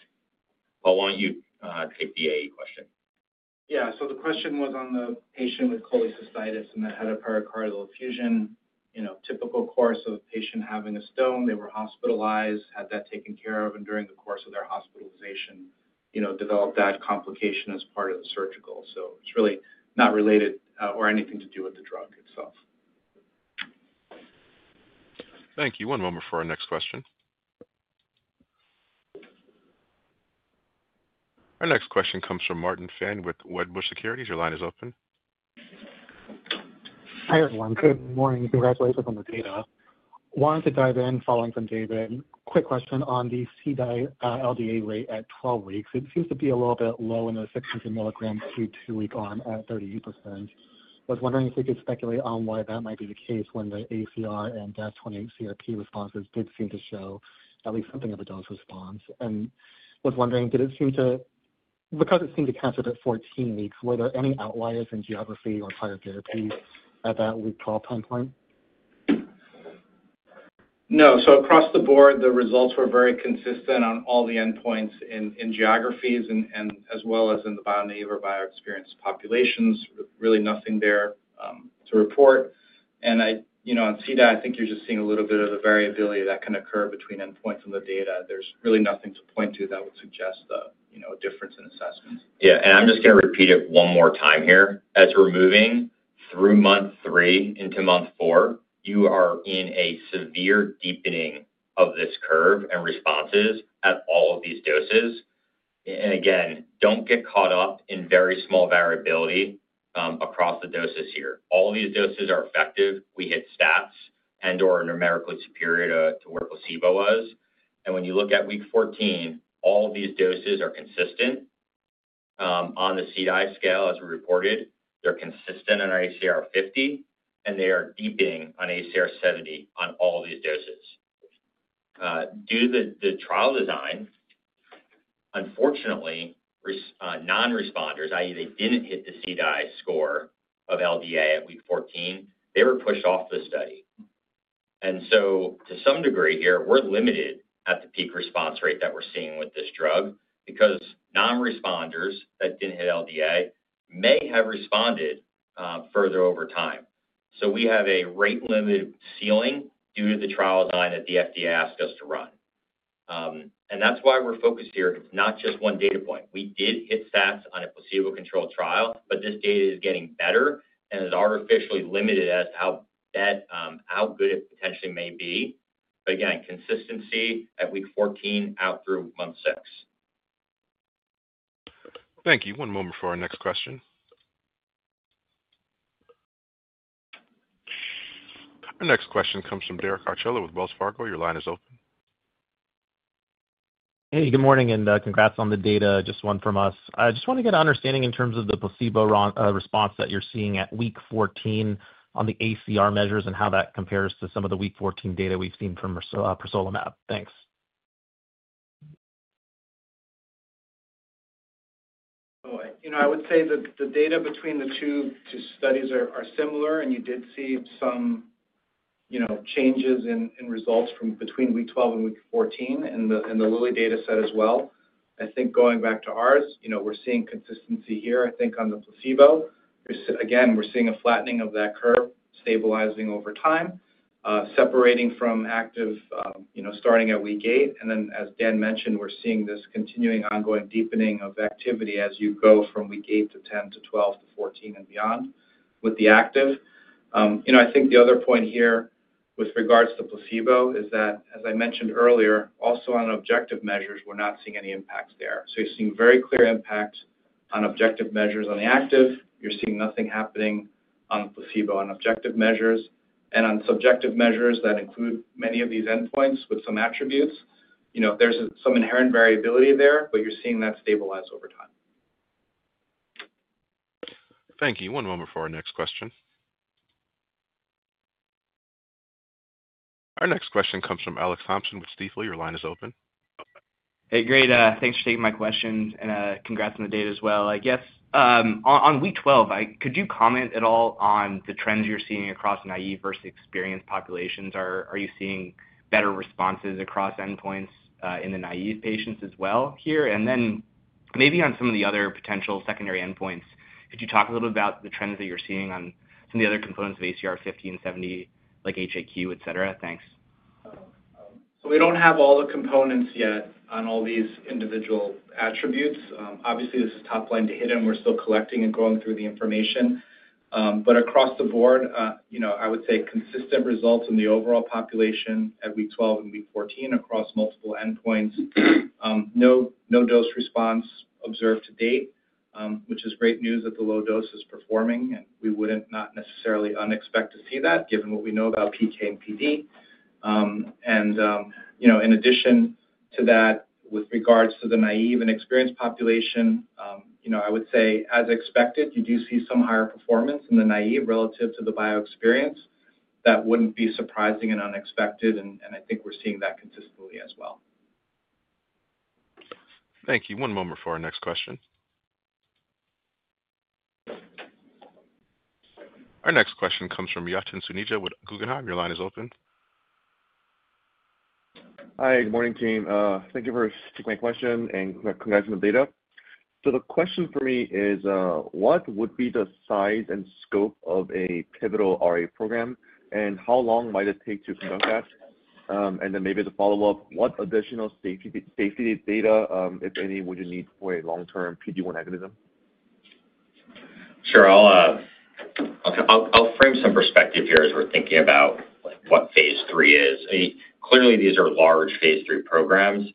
Paul, why don't you take the AE question? Yeah. The question was on the patient with cholecystitis and that had a pericardial effusion. Typical course of a patient having a stone. They were hospitalized. Had that taken care of. And during the course of their hospitalization, developed that complication as part of the surgical. So it's really not related or anything to do with the drug itself. Thank you. One moment for our next question. Our next question comes from Martin Fan with Wedbush Securities. Your line is open. Hi, everyone. Good morning. Congratulations on the data. Wanted to dive in following from David. Quick question on the CDAI LDA rate at 12 weeks. It seems to be a little bit low in the 600 mg Q2 week on at 38%. I was wondering if we could speculate on why that might be the case when the ACR and DAS28-CRP responses did seem to show at least something of a dose response. And I was wondering, did it seem to because it seemed to catch it at 14 weeks, were there any outliers in geography or prior therapy at that week 12 time point? No. So across the board, the results were very consistent on all the endpoints in geographies and as well as in the bio-naive and bio-experienced populations. Really nothing there to report. And on CDAI, I think you're just seeing a little bit of the variability that can occur between endpoints in the data. There's really nothing to point to that would suggest a difference in assessments. Yeah. And I'm just going to repeat it one more time here. As we're moving through month three into month four, you are in a severe deepening of this curve and responses at all of these doses. And again, don't get caught up in very small variability across the doses here. All of these doses are effective. We hit stats and/or numerically superior to where placebo was. And when you look at week 14, all of these doses are consistent on the CDAI scale as we reported. They're consistent on ACR 50, and they are deepening on ACR 70 on all these doses. Due to the trial design, unfortunately, non-responders, i.e., they didn't hit the CDAI score of LDA at week 14, they were pushed off the study. And so to some degree here, we're limited at the peak response rate that we're seeing with this drug because non-responders that didn't hit LDA may have responded further over time. We have a rate-limited ceiling due to the trial design that the FDA asked us to run. And that's why we're focused here, not just one data point. We did hit stats on a placebo-controlled trial, but this data is getting better and is artificially limited as to how good it potentially may be. But again, consistency at week 14 out through month six. Thank you. One moment for our next question. Our next question comes from Derek Archila with Wells Fargo. Your line is open. Hey. Good morning. And congrats on the data, just one from us. I just want to get an understanding in terms of the placebo response that you're seeing at week 14 on the ACR measures and how that compares to some of the week 14 data we've seen from rosnilimab. Thanks. Oh, I would say that the data between the two studies are similar, and you did see some changes in results between week 12 and week 14 in the Lilly data set as well. I think going back to ours, we're seeing consistency here, I think, on the placebo. Again, we're seeing a flattening of that curve stabilizing over time, separating from active starting at week eight. And then, as Dan mentioned, we're seeing this continuing ongoing deepening of activity as you go from week eight to week 10 to week 12 to week 14 and beyond with the active. I think the other point here with regards to placebo is that, as I mentioned earlier, also on objective measures, we're not seeing any impacts there. So you're seeing very clear impacts on objective measures on the active. You're seeing nothing happening on placebo on objective measures. And on subjective measures that include many of these endpoints with some attributes, there's some inherent variability there, but you're seeing that stabilize over time. Thank you. One moment for our next question. Our next question comes from Alex Thompson with Stifel. Your line is open. Hey. Great. Thanks for taking my question. And congrats on the data as well. I guess on week 12, could you comment at all on the trends you're seeing across naive versus experienced populations? Are you seeing better responses across endpoints in the naive patients as well here? And then maybe on some of the other potential secondary endpoints, could you talk a little bit about the trends that you're seeing on some of the other components of ACR 50 and ACR 70, like HAQ, etc.? Thanks. So we don't have all the components yet on all these individual attributes. Obviously, this is top line to hit them. We're still collecting and going through the information. But across the board, I would say consistent results in the overall population at week 12 and week 14 across multiple endpoints. No dose response observed to date, which is great news that the low dose is performing. And we wouldn't not necessarily unexpect to see that given what we know about PK and PD. And in addition to that, with regards to the naive and experienced population, I would say as expected, you do see some higher performance in the naive relative to the bio-experienced. That wouldn't be surprising and unexpected. And I think we're seeing that consistently as well. Thank you. One moment for our next question. Our next question comes from Yatin Suneja with Guggenheim. Your line is open. Hi. Good morning, team. Thank you for taking my question and congrats on the data. So the question for me is, what would be the size and scope of a pivotal RA program, and how long might it take to conduct that? And then maybe as a follow-up, what additional safety data, if any, would you need for a long-term PD-1 mechanism? Sure. I'll frame some perspective here as we're thinking about what phase III is. Clearly, these are large phase III programs.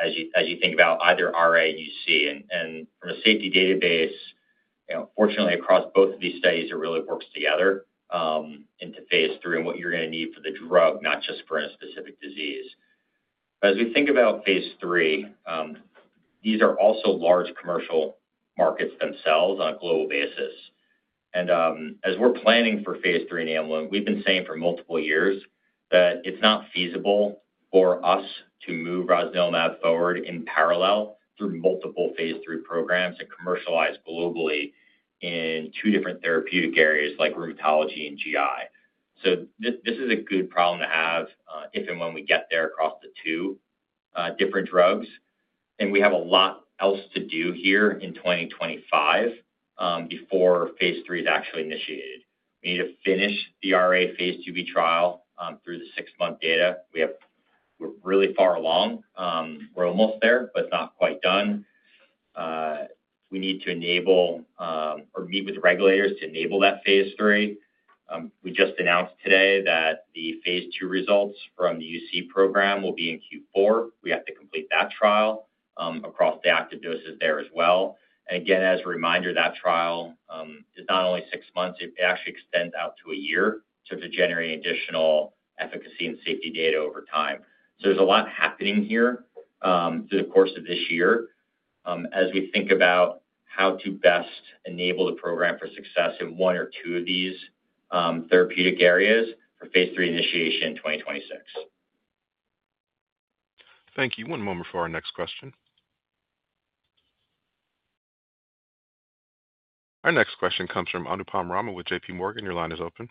As you think about either RA or UC, and from a safety database, fortunately, across both of these studies, it really works together into phase III and what you're going to need for the drug, not just for a specific disease. But as we think about phase III, these are also large commercial markets themselves on a global basis. And as we're planning for phase III enabling, we've been saying for multiple years that it's not feasible for us to move rosnilimab forward in parallel through multiple phase III programs and commercialize globally in two different therapeutic areas like rheumatology and GI. So this is a good problem to have if and when we get there across the two different drugs. And we have a lot else to do here in 2025 before phase III is actually initiated. We need to finish the RA phase II-B trial through the six-month data. We're really far along. We're almost there, but it's not quite done. We need to engage or meet with regulators to enable that phase III. We just announced today that the phase II results from the UC program will be in Q4. We have to complete that trial across the active doses there as well. And again, as a reminder, that trial is not only six months. It actually extends out to a year to generate additional efficacy and safety data over time. So there's a lot happening here through the course of this year as we think about how to best enable the program for success in one or two of these therapeutic areas for phase III initiation in 2026. Thank you. One moment for our next question. Our next question comes from Anupam Rama with J.P. Morgan. Your line is open.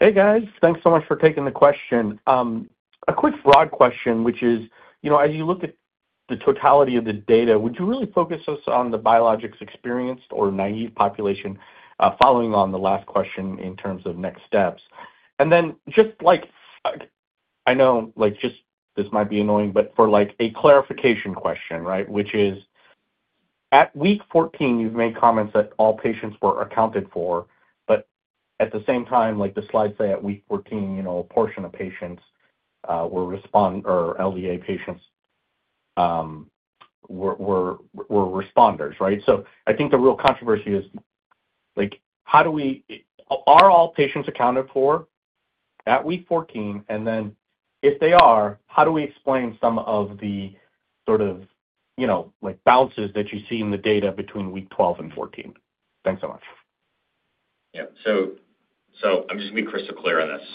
Hey, guys. Thanks so much for taking the question. A quick broad question, which is, as you look at the totality of the data, would you really focus us on the biologics experienced or naive population following on the last question in terms of next steps? And then just like I know just this might be annoying, but for a clarification question, right, which is at week 14, you've made comments that all patients were accounted for. But at the same time, the slides say at week 14, a portion of patients were responders or LDA patients were responders, right? So I think the real controversy is, how do we are all patients accounted for at week 14? And then if they are, how do we explain some of the sort of bounces that you see in the data between week 12 and 14? Thanks so much. Yeah. So I'm just going to be crystal clear on this.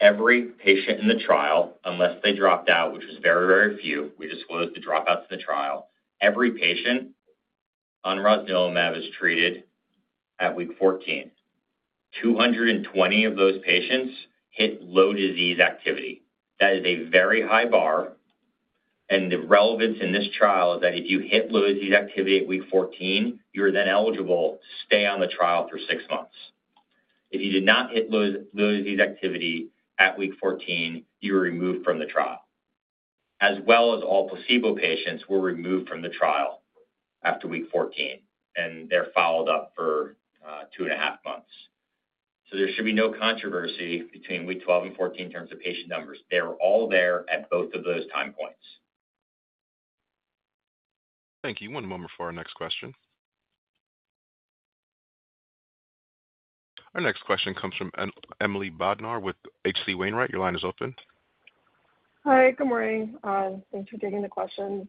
Every patient in the trial, unless they dropped out, which was very, very few, we just closed the dropouts in the trial. Every patient on rosnilimab is treated at week 14. 220 of those patients hit low disease activity. That is a very high bar, and the relevance in this trial is that if you hit low disease activity at week 14, you're then eligible to stay on the trial for six months. If you did not hit low disease activity at week 14, you were removed from the trial, as well as all placebo patients were removed from the trial after week 14, and they're followed up for two and a half months. So there should be no controversy between week 12 and week 14 in terms of patient numbers. They were all there at both of those time points. Thank you. One moment for our next question. Our next question comes from Emily Bodnar with H.C. Wainwright. Your line is open. Hi. Good morning. Thanks for taking the questions.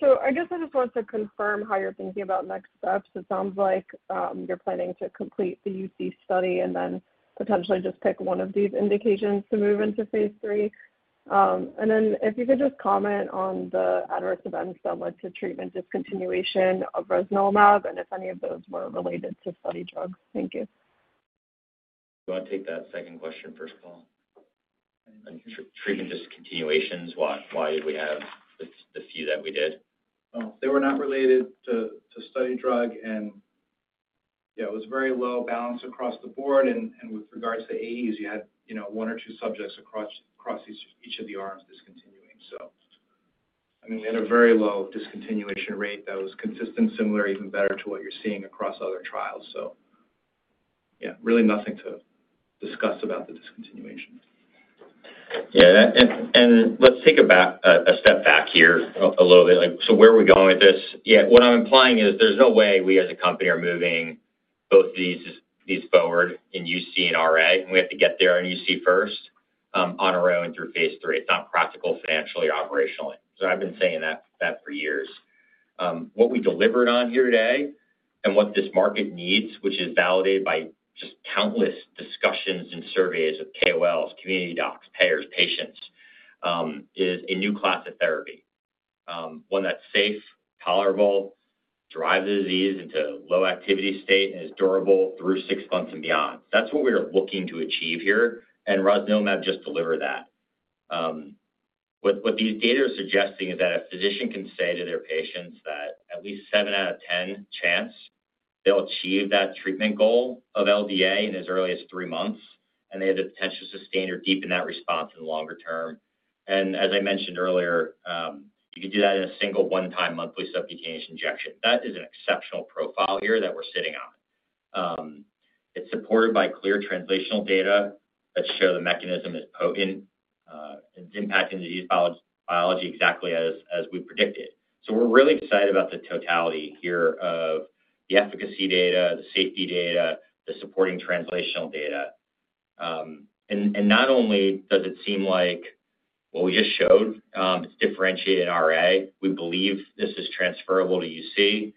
So I guess I just wanted to confirm how you're thinking about next steps. It sounds like you're planning to complete the UC study and then potentially just pick one of these indications to move into phase 3. And then if you could just comment on the adverse events that led to treatment discontinuation of rosnilimab and if any of those were related to study drugs? Thank you. Do you want to take that second question first of all? Treatment discontinuations, why did we have the few that we did? They were not related to study drug. And yeah, it was very low, balanced across the board. And with regards to AEs, you had one or two subjects across each of the arms discontinuing. So I mean, we had a very low discontinuation rate that was consistent, similar, even better to what you're seeing across other trials. So yeah, really nothing to discuss about the discontinuation. Yeah. And let's take a step back here a little bit. So where are we going with this? Yeah. What I'm implying is there's no way we as a company are moving both of these forward in UC and RA. And we have to get there in UC first on our own through phase III. It's not practical financially or operationally. So I've been saying that for years. What we delivered on here today and what this market needs, which is validated by just countless discussions and surveys of KOLs, community docs, payers, patients, is a new class of therapy. One that's safe, tolerable, drives the disease into a low activity state, and is durable through six months and beyond. That's what we are looking to achieve here. And rosnilimab just delivered that. What these data are suggesting is that a physician can say to their patients that at least seven out of 10 chance they'll achieve that treatment goal of LDA in as early as three months, and they have the potential to sustain or deepen that response in the longer term. And as I mentioned earlier, you can do that in a single one-time monthly subcutaneous injection. That is an exceptional profile here that we're sitting on. It's supported by clear translational data that show the mechanism is potent and impacting disease biology exactly as we predicted. So we're really excited about the totality here of the efficacy data, the safety data, the supporting translational data. And not only does it seem like what we just showed, it's differentiated in RA. We believe this is transferable to UC.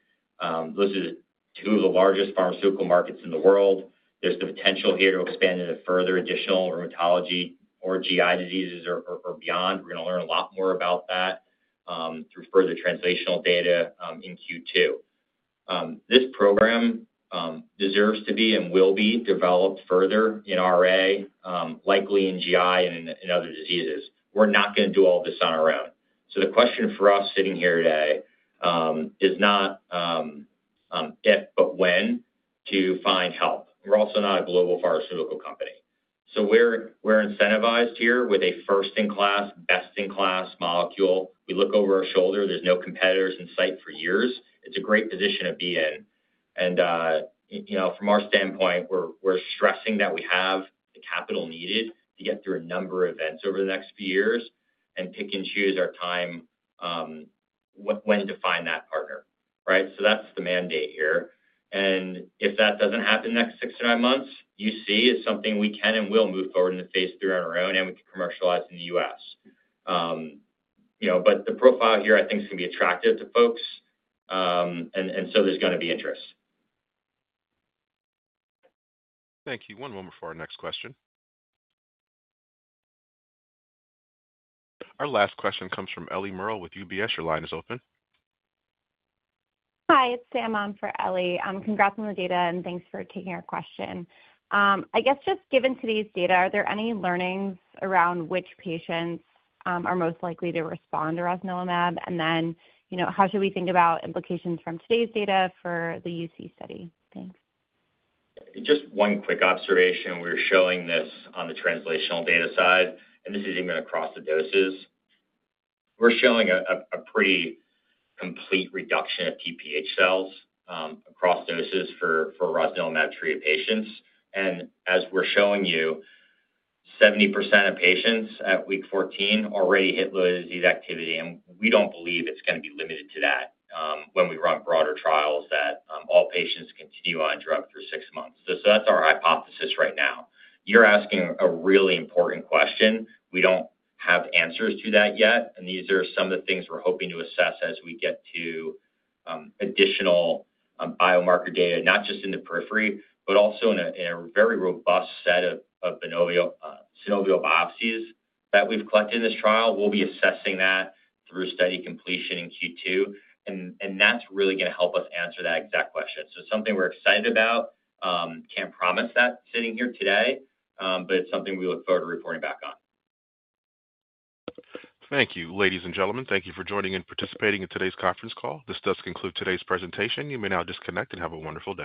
Those are two of the largest pharmaceutical markets in the world. There's the potential here to expand into further additional rheumatology or GI diseases or beyond. We're going to learn a lot more about that through further translational data in Q2. This program deserves to be and will be developed further in RA, likely in GI and in other diseases. We're not going to do all this on our own. So the question for us sitting here today is not if, but when to find help. We're also not a global pharmaceutical company. So we're incentivized here with a first-in-class, best-in-class molecule. We look over our shoulder. There's no competitors in sight for years. It's a great position to be in. And from our standpoint, we're stressing that we have the capital needed to get through a number of events over the next few years and pick and choose our time when to find that partner, right? So that's the mandate here. And if that doesn't happen in the next six to nine months, UC is something we can and will move forward into phase III on our own, and we can commercialize in the US. But the profile here, I think, is going to be attractive to folks. And so there's going to be interest. Thank you. One moment for our next question. Our last question comes from Ellie Merle with UBS. Your line is open. Hi. It's Saman for Ellie. Congrats on the data, and thanks for taking our question. I guess just given today's data, are there any learnings around which patients are most likely to respond to rosnilimab? And then how should we think about implications from today's data for the UC study? Thanks. Just one quick observation. We're showing this on the translational data side. This is even across the doses. We're showing a pretty complete reduction of TPH cells across doses for rosnilimab-treated patients. As we're showing you, 70% of patients at week 14 already hit low disease activity. We don't believe it's going to be limited to that when we run broader trials that all patients continue on drug for six months. That's our hypothesis right now. You're asking a really important question. We don't have answers to that yet. These are some of the things we're hoping to assess as we get to additional biomarker data, not just in the periphery, but also in a very robust set of synovial biopsies that we've collected in this trial. We'll be assessing that through study completion in Q2. That's really going to help us answer that exact question. It's something we're excited about. Can't promise that sitting here today, but it's something we look forward to reporting back on. Thank you, ladies and gentlemen. Thank you for joining and participating in today's conference call. This does conclude today's presentation. You may now disconnect and have a wonderful day.